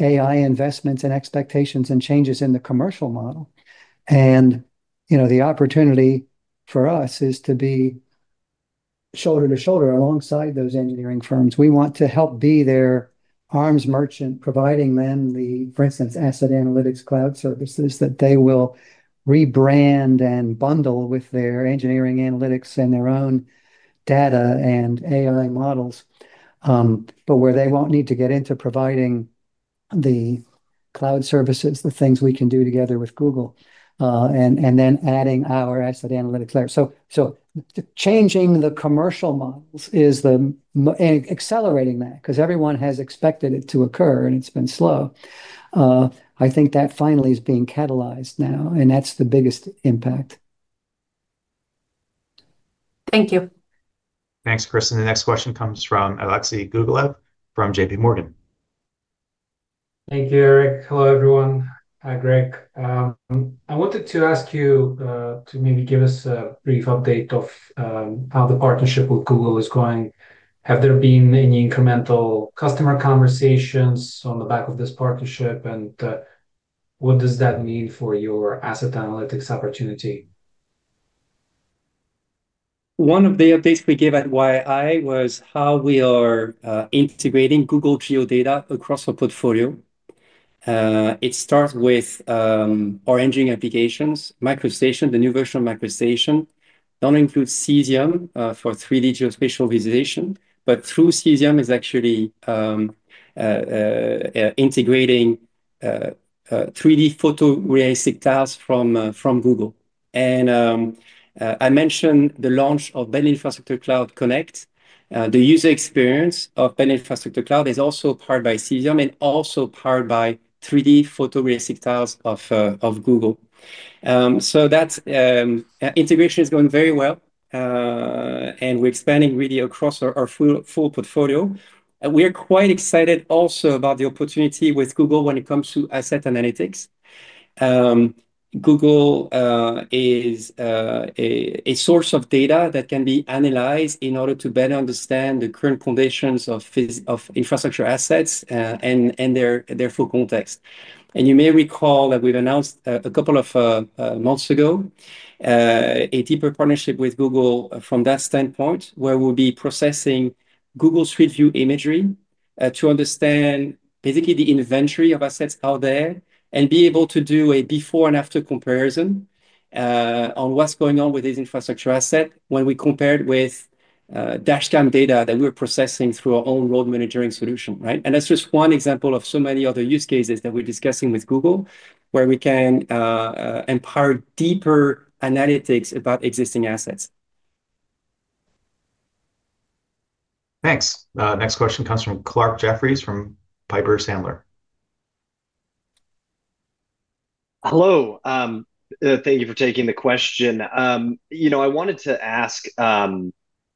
AI investments and expectations and changes in the commercial model. The opportunity for us is to be shoulder to shoulder alongside those engineering firms. We want to help be their arms merchant, providing them the, for instance, asset analytics cloud services that they will rebrand and bundle with their engineering analytics and their own data and AI models. Where they will not need to get into providing the cloud services, the things we can do together with Google, and then adding our asset analytics there. Changing the commercial models is accelerating that because everyone has expected it to occur and it has been slow. I think that finally is being catalyzed now, and that is the biggest impact. Thank you. Thanks, Kristen. The next question comes from Alexei Gogolev from JPMorgan. Thank you, Eric. Hello, everyone. Hi, Greg. I wanted to ask you to maybe give us a brief update of how the partnership with Google is going. Have there been any incremental customer conversations on the back of this partnership? What does that mean for your asset analytics opportunity? One of the updates we gave at YI was how we are integrating Google Geo data across our portfolio. It starts with our engineering applications, MicroStation, the new version of MicroStation. It does not include Cesium for 3D geospatial visualization, but through Cesium is actually integrating 3D photorealistic tiles from Google. I mentioned the launch of Bentley Infrastructure Cloud Connect. The user experience of Bentley Infrastructure Cloud is also powered by Cesium and also powered by 3D photorealistic tiles of Google. That integration is going very well. We are expanding really across our full portfolio. We're quite excited also about the opportunity with Google when it comes to asset analytics. Google is a source of data that can be analyzed in order to better understand the current conditions of infrastructure assets and their full context. You may recall that we've announced a couple of months ago a deeper partnership with Google from that standpoint, where we'll be processing Google Street View imagery to understand basically the inventory of assets out there and be able to do a before and after comparison on what's going on with this infrastructure asset when we compare with dashcam data that we're processing through our own road monitoring solution. That's just one example of so many other use cases that we're discussing with Google, where we can empower deeper analytics about existing assets. Thanks. Next question comes from Clarke Jeffries from Piper Sandler. Hello. Thank you for taking the question. I wanted to ask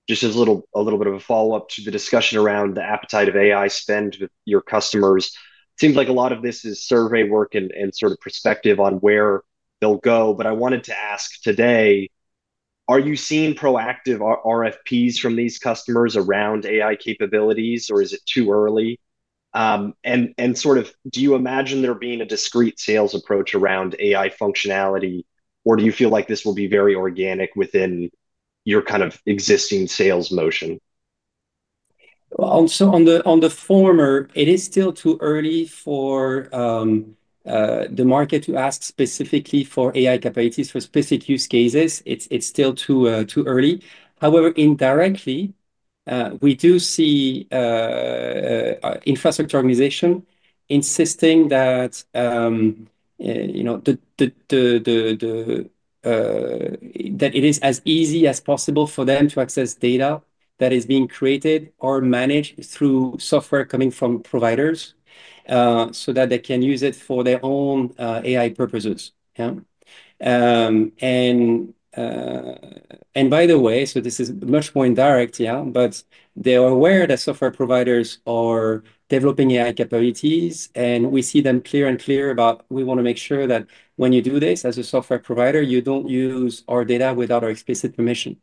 just a little bit of a follow-up to the discussion around the appetite of AI spend with your customers. It seems like a lot of this is survey work and sort of perspective on where they'll go. I wanted to ask today, are you seeing proactive RFPs from these customers around AI capabilities, or is it too early? Do you imagine there being a discreet sales approach around AI functionality, or do you feel like this will be very organic within your kind of existing sales motion? On the former, it is still too early for the market to ask specifically for AI capabilities for specific use cases. It's still too early. However, indirectly, we do see infrastructure organization insisting that it is as easy as possible for them to access data that is being created or managed through software coming from providers. So that they can use it for their own AI purposes. By the way, this is much more indirect, but they are aware that software providers are developing AI capabilities, and we see them clear and clear about we want to make sure that when you do this as a software provider, you do not use our data without our explicit permission.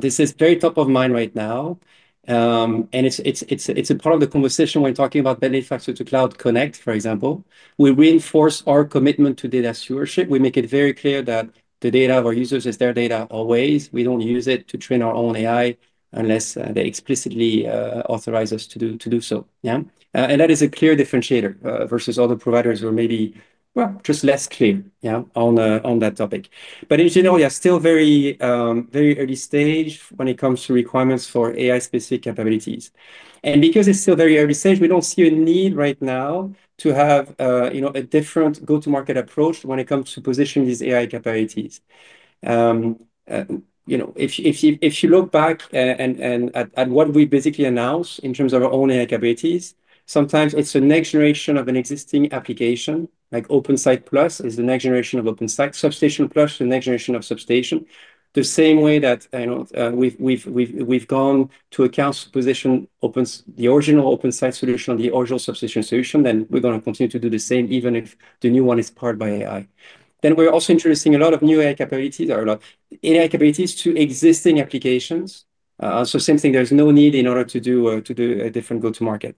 This is very top of mind right now. It is a part of the conversation when talking about Bentley Infrastructure Cloud Connect, for example. We reinforce our commitment to data stewardship. We make it very clear that the data of our users is their data always. We do not use it to train our own AI unless they explicitly authorize us to do so. That is a clear differentiator versus other providers who are maybe, well, just less clear on that topic. In general, we are still very early stage when it comes to requirements for AI-specific capabilities. Because it is still very early stage, we do not see a need right now to have a different go-to-market approach when it comes to positioning these AI capabilities. If you look back at what we basically announced in terms of our own AI capabilities, sometimes it is a next generation of an existing application. OpenSite+ is the next generation of OpenSite. Substation+ is the next generation of Substation. The same way that we have gone to accounts to position the original OpenSite solution or the original Substation solution, we are going to continue to do the same even if the new one is powered by AI. We're also introducing a lot of new AI capabilities or AI capabilities to existing applications. Same thing, there's no need in order to do a different go-to-market.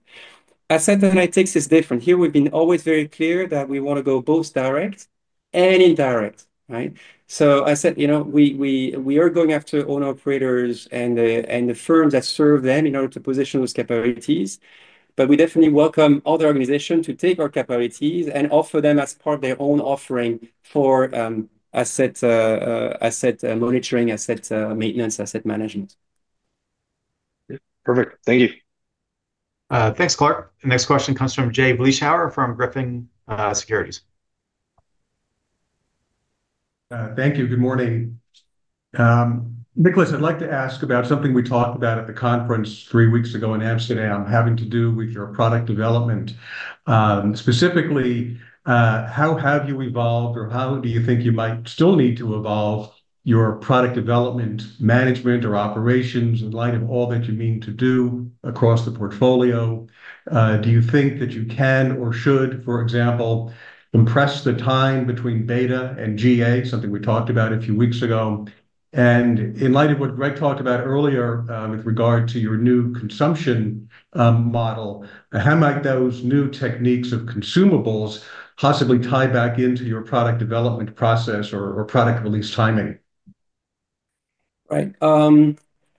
Asset analytics is different. Here, we've been always very clear that we want to go both direct and indirect. I said we are going after owner-operators and the firms that serve them in order to position those capabilities. We definitely welcome other organizations to take our capabilities and offer them as part of their own offering for asset monitoring, asset maintenance, asset management. Perfect. Thank you. Thanks, Clarke. Next question comes from Jay Vleeschhouwer from Griffin Securities. Thank you. Good morning. Nicholas, I'd like to ask about something we talked about at the conference three weeks ago in Amsterdam, having to do with your product development. Specifically, how have you evolved, or how do you think you might still need to evolve your product development management or operations in light of all that you mean to do across the portfolio? Do you think that you can or should, for example, compress the time between beta and GA, something we talked about a few weeks ago? In light of what Greg talked about earlier with regard to your new consumption model, how might those new techniques of consumables possibly tie back into your product development process or product release timing? Right.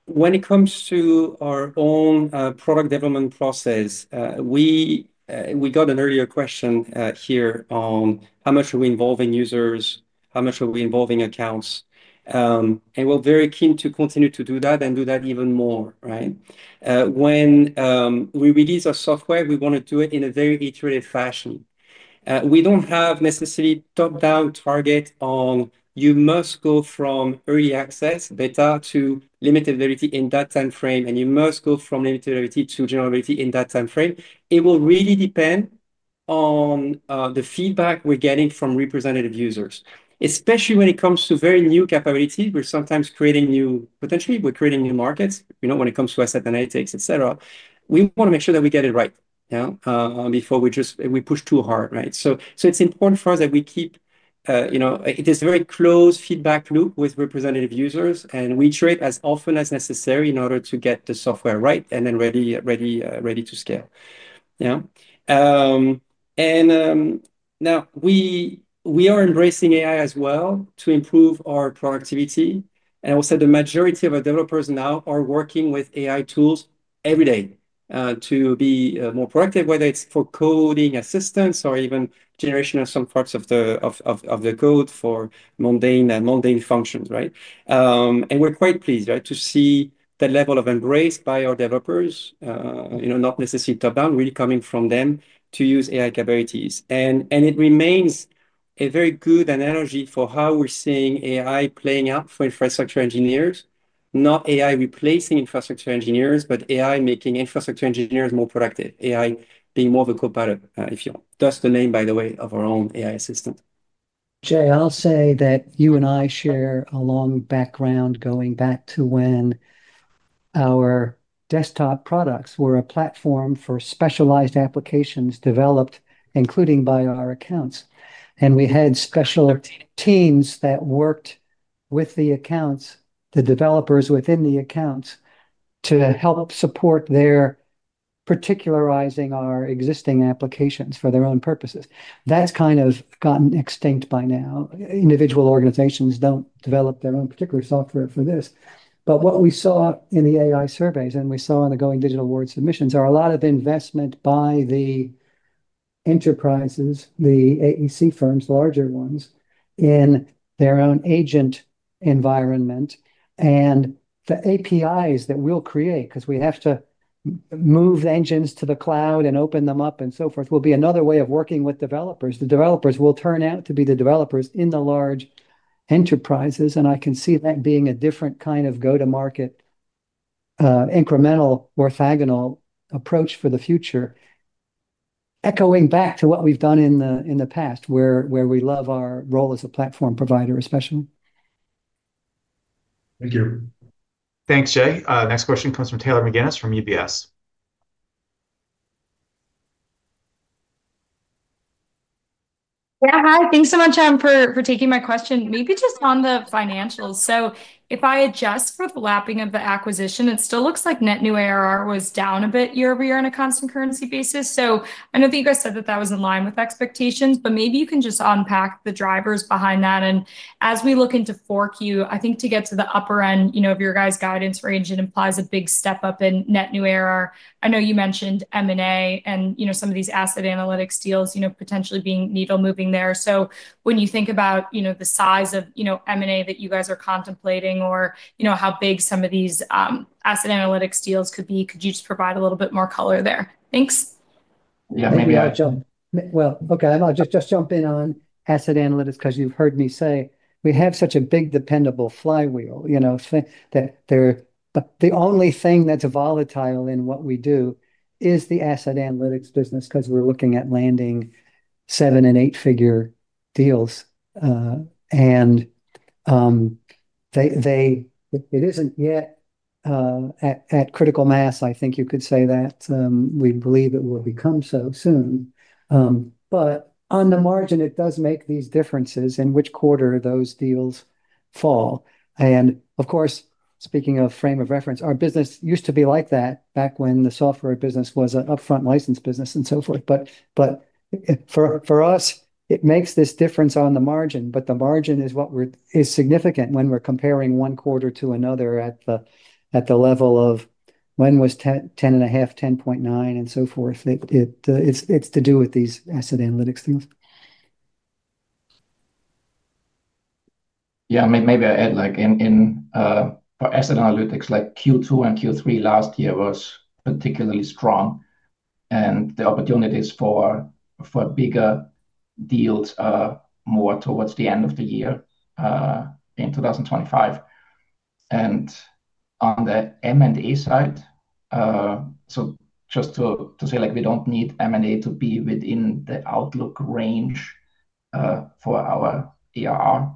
When it comes to our own product development process, we got an earlier question here on how much are we involving users, how much are we involving accounts. We are very keen to continue to do that and do that even more. When we release our software, we want to do it in a very iterative fashion. We do not have necessarily top-down target on you must go from early access, beta, to limited ability in that time frame, and you must go from limited ability to general ability in that time frame. It will really depend on the feedback we are getting from representative users, especially when it comes to very new capabilities. We are sometimes creating new, potentially we are creating new markets when it comes to asset analytics, etc. We want to make sure that we get it right before we push too hard. It is important for us that we keep a very close feedback loop with representative users, and we iterate as often as necessary in order to get the software right and then ready to scale. Now, we are embracing AI as well to improve our productivity. I will say the majority of our developers now are working with AI tools every day to be more productive, whether it's for coding assistance or even generation of some parts of the code for mundane functions. We're quite pleased to see that level of embrace by our developers, not necessarily top-down, really coming from them to use AI capabilities. It remains a very good analogy for how we're seeing AI playing out for infrastructure engineers, not AI replacing infrastructure engineers, but AI making infrastructure engineers more productive, AI being more of a co-pilot, if you will. That's the name, by the way, of our own AI assistant. Jay, I'll say that you and I share a long background going back to when our desktop products were a platform for specialized applications developed, including by our accounts. We had special. Teams that worked with the accounts, the developers within the accounts, to help support their particularizing our existing applications for their own purposes. That's kind of gotten extinct by now. Individual organizations do not develop their own particular software for this. What we saw in the AI surveys and we saw in the Going Digital Award submissions are a lot of investment by the enterprises, the AEC firms, larger ones, in their own agent environment. The APIs that we will create, because we have to move engines to the cloud and open them up and so forth, will be another way of working with developers. The developers will turn out to be the developers in the large enterprises. I can see that being a different kind of go-to-market, incremental orthogonal approach for the future. Echoing back to what we've done in the past, where we love our role as a platform provider, especially. Thank you. Thanks, Jay. Next question comes from Taylor McGinnis from UBS. Yeah, hi. Thanks so much, Eric, for taking my question. Maybe just on the financials. If I adjust for the lapping of the acquisition, it still looks like net new ARR was down a bit year-over-year on a constant currency basis. I know that you guys said that that was in line with expectations, but maybe you can just unpack the drivers behind that. As we look into Q4, I think to get to the upper end of your guys' guidance range, it implies a big step up in net new ARR. I know you mentioned M&A and some of these asset analytics deals potentially being needle-moving there. When you think about the size of M&A that you guys are contemplating or how big some of these asset analytics deals could be, could you just provide a little bit more color there? Thanks. Yeah, maybe I'll jump. Okay, I'll just jump in on asset analytics because you've heard me say we have such a big dependable flywheel. The only thing that's volatile in what we do is the asset analytics business because we're looking at landing seven- and eight-figure deals. It isn't yet at critical mass, I think you could say that. We believe it will become so soon. On the margin, it does make these differences in which quarter those deals fall. Of course, speaking of frame of reference, our business used to be like that back when the software business was an upfront license business and so forth. For us, it makes this difference on the margin, but the margin is significant when we're comparing one quarter to another at the level of when was 10.5, 10.9, and so forth. It's to do with these asset analytics things. Yeah, maybe I add like. For asset analytics, like Q2 and Q3 last year was particularly strong. And the opportunities for. Bigger deals are more towards the end of the year. In 2025. And. On the M&A side. Just to say, we don't need M&A to be within the outlook range. For our ARR.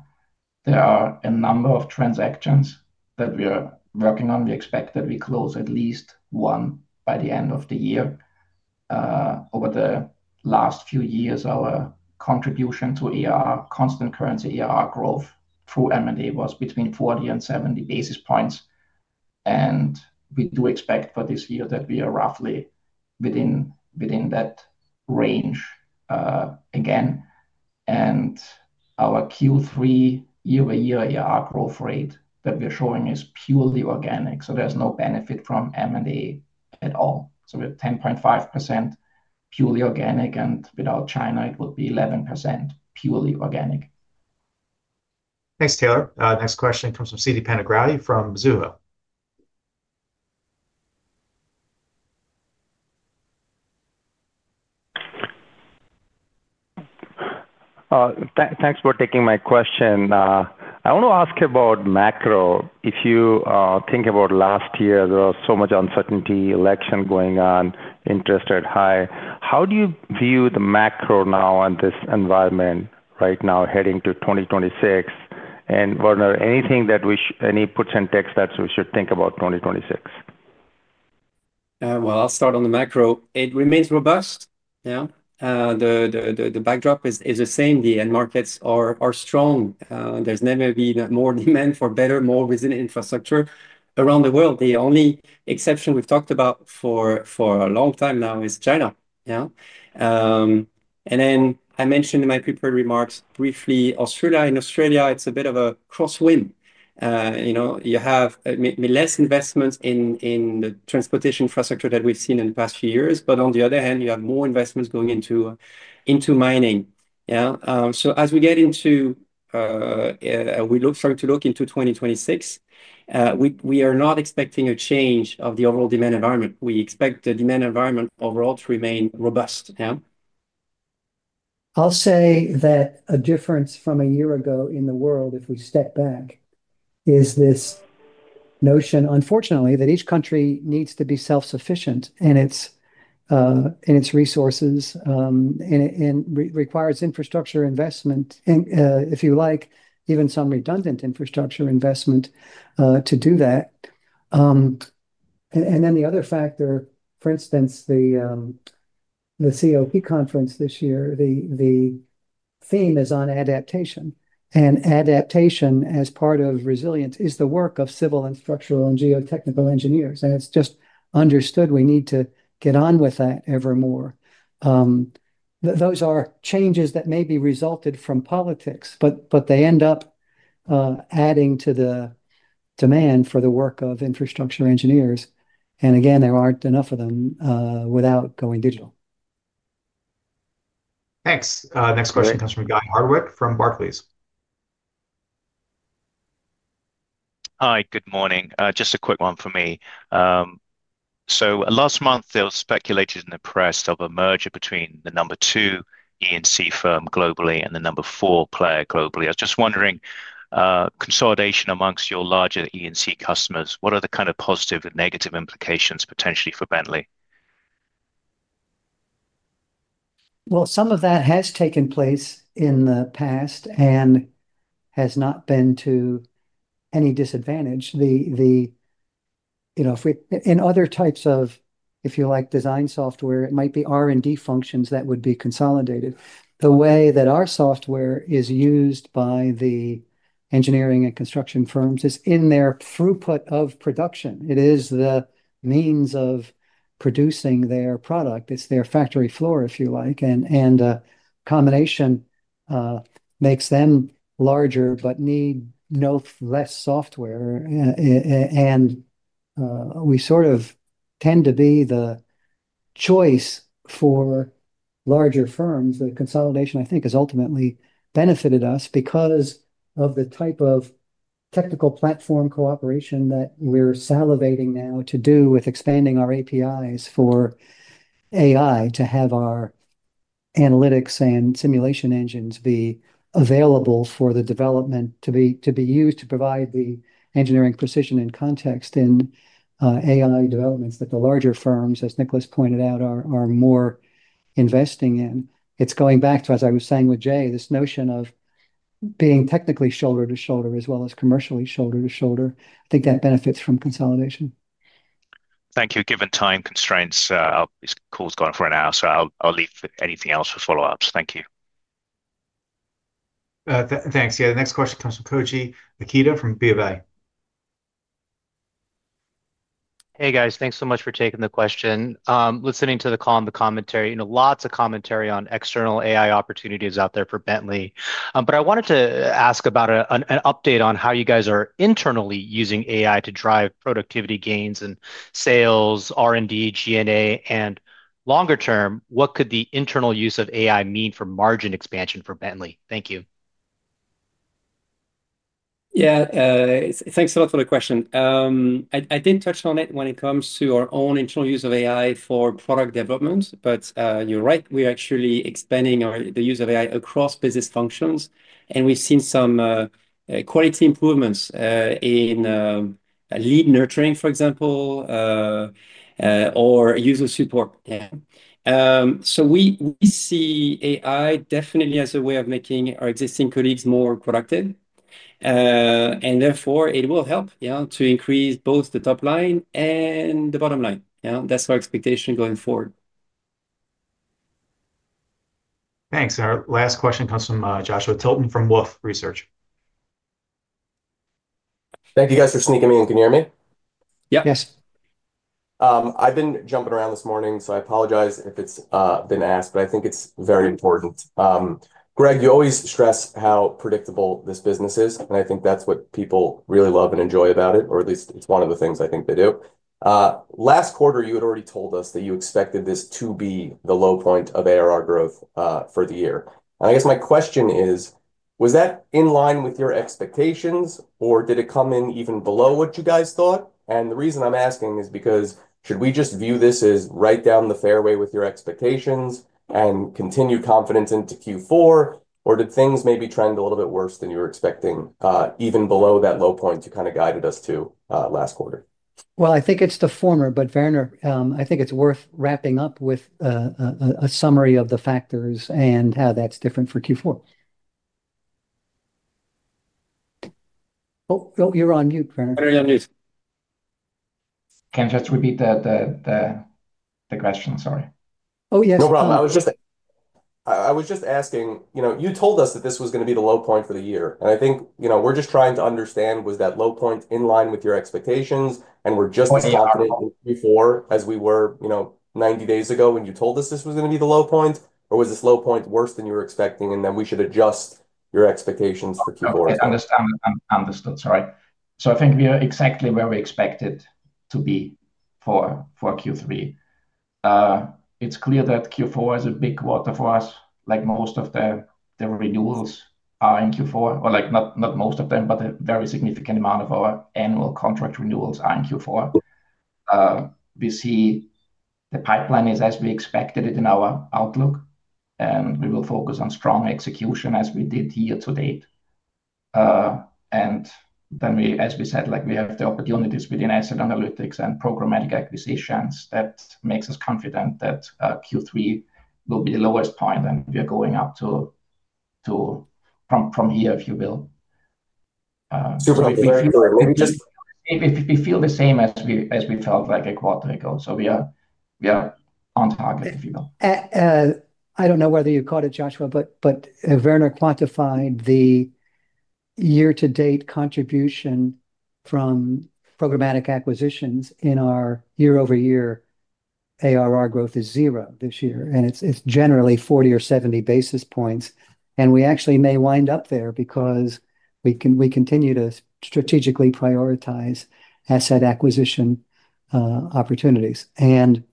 There are a number of transactions that we are working on. We expect that we close at least one by the end of the year. Over the last few years, our contribution to ARR, constant currency ARR growth through M&A was between 40 and 70 basis points. We do expect for this year that we are roughly within that range again. Our Q3 year-over-year ARR growth rate that we're showing is purely organic, so there's no benefit from M&A at all. We have 10.5% purely organic, and without China, it would be 11% purely organic. Thanks, Taylor. Next question comes from Siti Panigrahi from Mizuho. Thanks for taking my question. I want to ask about macro. If you think about last year, there was so much uncertainty, election going on, interest at high. How do you view the macro now and this environment right now heading to 2026? Werner, anything that, any puts and takes that we should think about 2026? I'll start on the macro. It remains robust. The backdrop is the same. The end markets are strong. There's never been more demand for better, more resilient infrastructure around the world. The only exception we've talked about for a long time now is China. I mentioned in my prepared remarks briefly, Australia. In Australia, it's a bit of a crosswind. You have less investment in the transportation infrastructure that we've seen in the past few years. On the other hand, you have more investments going into mining. As we get into, we look forward to look into 2026. We are not expecting a change of the overall demand environment. We expect the demand environment overall to remain robust. I'll say that a difference from a year ago in the world, if we step back, is this notion, unfortunately, that each country needs to be self-sufficient in its resources and requires infrastructure investment, if you like, even some redundant infrastructure investment to do that. The other factor, for instance, the COP conference this year, the theme is on adaptation. Adaptation as part of resilience is the work of civil and structural and geotechnical engineers. It is just understood we need to get on with that ever more. Those are changes that may be resulted from politics, but they end up adding to the demand for the work of infrastructure engineers. Again, there are not enough of them without going digital. Thanks. Next question comes from Guy Hardwick from Barclays. Hi, good morning. Just a quick one for me. Last month, there was speculated in the press of a merger between the number two E&C firm globally and the number four player globally. I was just wondering, consolidation amongst your larger E&C customers, what are the kind of positive and negative implications potentially for Bentley? Some of that has taken place in the past and has not been to any disadvantage. In other types of, if you like, design software, it might be R&D functions that would be consolidated. The way that our software is used by the engineering and construction firms is in their throughput of production. It is the means of producing their product. It's their factory floor, if you like. Combination makes them larger but need no less software. We sort of tend to be the choice for larger firms. The consolidation, I think, has ultimately benefited us because of the type of technical platform cooperation that we're salivating now to do with expanding our APIs for AI to have our analytics and simulation engines be available for the development to be used to provide the engineering precision and context in AI developments that the larger firms, as Nicholas pointed out, are more investing in. It's going back to, as I was saying with Jay, this notion of being technically shoulder to shoulder as well as commercially shoulder to shoulder. I think that benefits from consolidation. Thank you. Given time constraints, this call's gone for an hour, so I'll leave anything else for follow-ups. Thank you. Thanks. Yeah. The next question comes from Koji Ikeda from BofA. Hey, guys. Thanks so much for taking the question. Listening to the call and the commentary, lots of commentary on external AI opportunities out there for Bentley. I wanted to ask about an update on how you guys are internally using AI to drive productivity gains in sales, R&D, G&A, and longer term, what could the internal use of AI mean for margin expansion for Bentley? Thank you. Yeah. Thanks a lot for the question. I did not touch on it when it comes to our own internal use of AI for product development. You are right. We are actually expanding the use of AI across business functions. We have seen some quality improvements in lead nurturing, for example, or user support. We see AI definitely as a way of making our existing colleagues more productive. Therefore, it will help to increase both the top line and the bottom line. That is our expectation going forward. Thanks. Our last question comes from Joshua Tilton from Wolf Research. Thank you, guys. Can you hear me? Yes. I have been jumping around this morning, so I apologize if it has been asked, but I think it is very important. Greg, you always stress how predictable this business is. I think that's what people really love and enjoy about it, or at least it's one of the things I think they do. Last quarter, you had already told us that you expected this to be the low point of ARR growth for the year. I guess my question is, was that in line with your expectations, or did it come in even below what you guys thought? The reason I'm asking is because should we just view this as right down the fairway with your expectations and continue confidence into Q4, or did things maybe trend a little bit worse than you were expecting, even below that low point you kind of guided us to last quarter? I think it's the former, but Werner, I think it's worth wrapping up with a summary of the factors and how that's different for Q4. Oh, you're on mute, Werner. I'm on mute. Can you just repeat the question? Sorry. Oh, yes. No problem. I was just asking, you told us that this was going to be the low point for the year. I think we're just trying to understand, was that low point in line with your expectations? We're just as confident in Q4 as we were 90 days ago when you told us this was going to be the low point, or was this low point worse than you were expecting, and then we should adjust your expectations for Q4? Understood. Sorry. I think we are exactly where we expected to be for Q3. It's clear that Q4 is a big quarter for us. Most of the renewals are in Q4, or not most of them, but a very significant amount of our annual contract renewals are in Q4. We see the pipeline is as we expected it in our outlook, and we will focus on strong execution as we did year to date. As we said, we have the opportunities within asset analytics and programmatic acquisitions that makes us confident that Q3 will be the lowest point, and we are going up from here, if you will. We feel the same as we felt like a quarter ago. We are on target, if you will. I do not know whether you caught it, Joshua, but Werner quantified the year-to-date contribution from programmatic acquisitions in our year-over-year ARR growth is zero this year, and it is generally 40 or 70 basis points. We actually may wind up there because we continue to strategically prioritize asset acquisition opportunities. The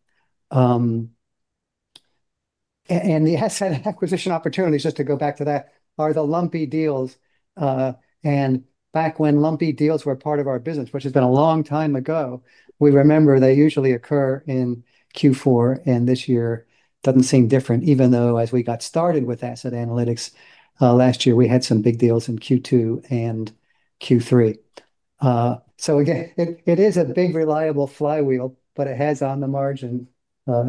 asset acquisition opportunities, just to go back to that, are the lumpy deals. Back when lumpy deals were part of our business, which has been a long time ago, we remember they usually occur in Q4. This year does not seem different, even though as we got started with asset analytics last year, we had some big deals in Q2 and Q3. It is a big reliable flywheel, but it has on the margin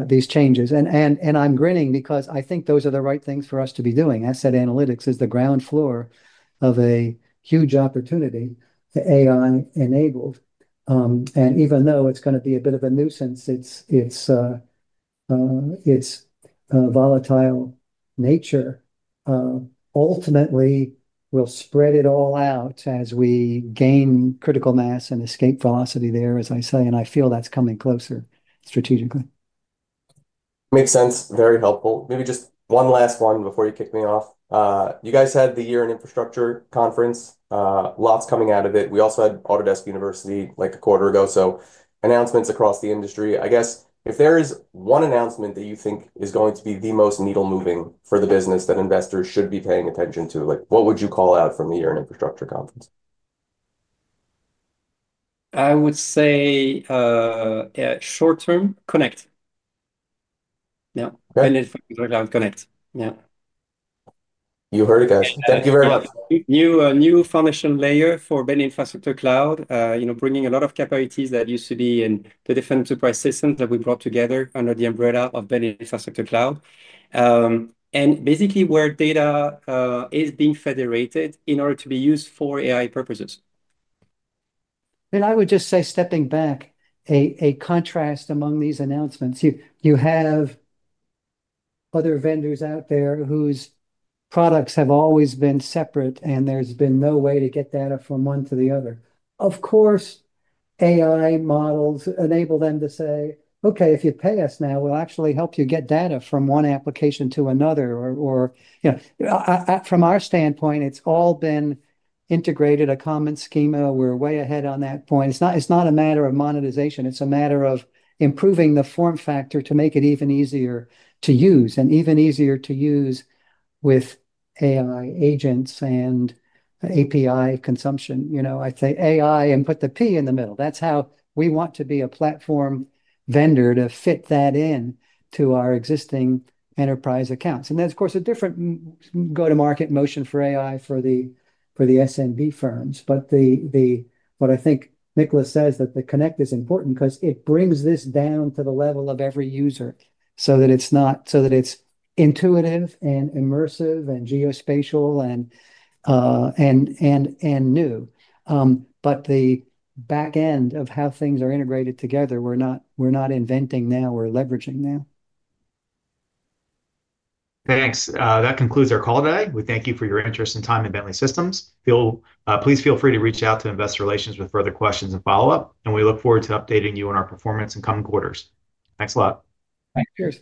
these changes. I am grinning because I think those are the right things for us to be doing. Asset analytics is the ground floor of a huge opportunity to be AI-enabled. Even though it is going to be a bit of a nuisance, its volatile nature ultimately will spread it all out as we gain critical mass and escape velocity there, as I say, and I feel that is coming closer strategically. Makes sense. Very helpful. Maybe just one last one before you kick me off. You guys had the Year in Infrastructure conference. Lots coming out of it. We also had Autodesk University like a quarter ago. Announcements across the industry. I guess if there is one announcement that you think is going to be the most needle-moving for the business that investors should be paying attention to, what would you call out from the Year in Infrastructure conference? I would say, short-term, Connect. Yeah. Bentley Infrastructure Cloud Connect. Yeah. You heard it, guys. Thank you very much. New foundation layer for Bentley Infrastructure Cloud, bringing a lot of capabilities that used to be in the different enterprise systems that we brought together under the umbrella of Bentley Infrastructure Cloud. Basically, where data is being federated in order to be used for AI purposes. I would just say, stepping back, a contrast among these announcements. You have other vendors out there whose products have always been separate, and there's been no way to get data from one to the other. Of course. AI models enable them to say, "Okay, if you pay us now, we'll actually help you get data from one application to another." From our standpoint, it's all been integrated, a common schema. We're way ahead on that point. It's not a matter of monetization. It's a matter of improving the form factor to make it even easier to use and even easier to use with AI agents and API consumption. I say AI and put the P in the middle. That's how we want to be a platform vendor to fit that into our existing enterprise accounts. And then, of course, a different go-to-market motion for AI for the S&B firms. But. What I think Nicholas says is that the Connect is important because it brings this down to the level of every user so that it is intuitive and immersive and geospatial and new. The back end of how things are integrated together, we are not inventing now. We are leveraging now. Thanks. That concludes our call today. We thank you for your interest and time in Bentley Systems. Please feel free to reach out to Investor Relations with further questions and follow-up. We look forward to updating you on our performance in coming quarters. Thanks a lot. Thanks. Cheers.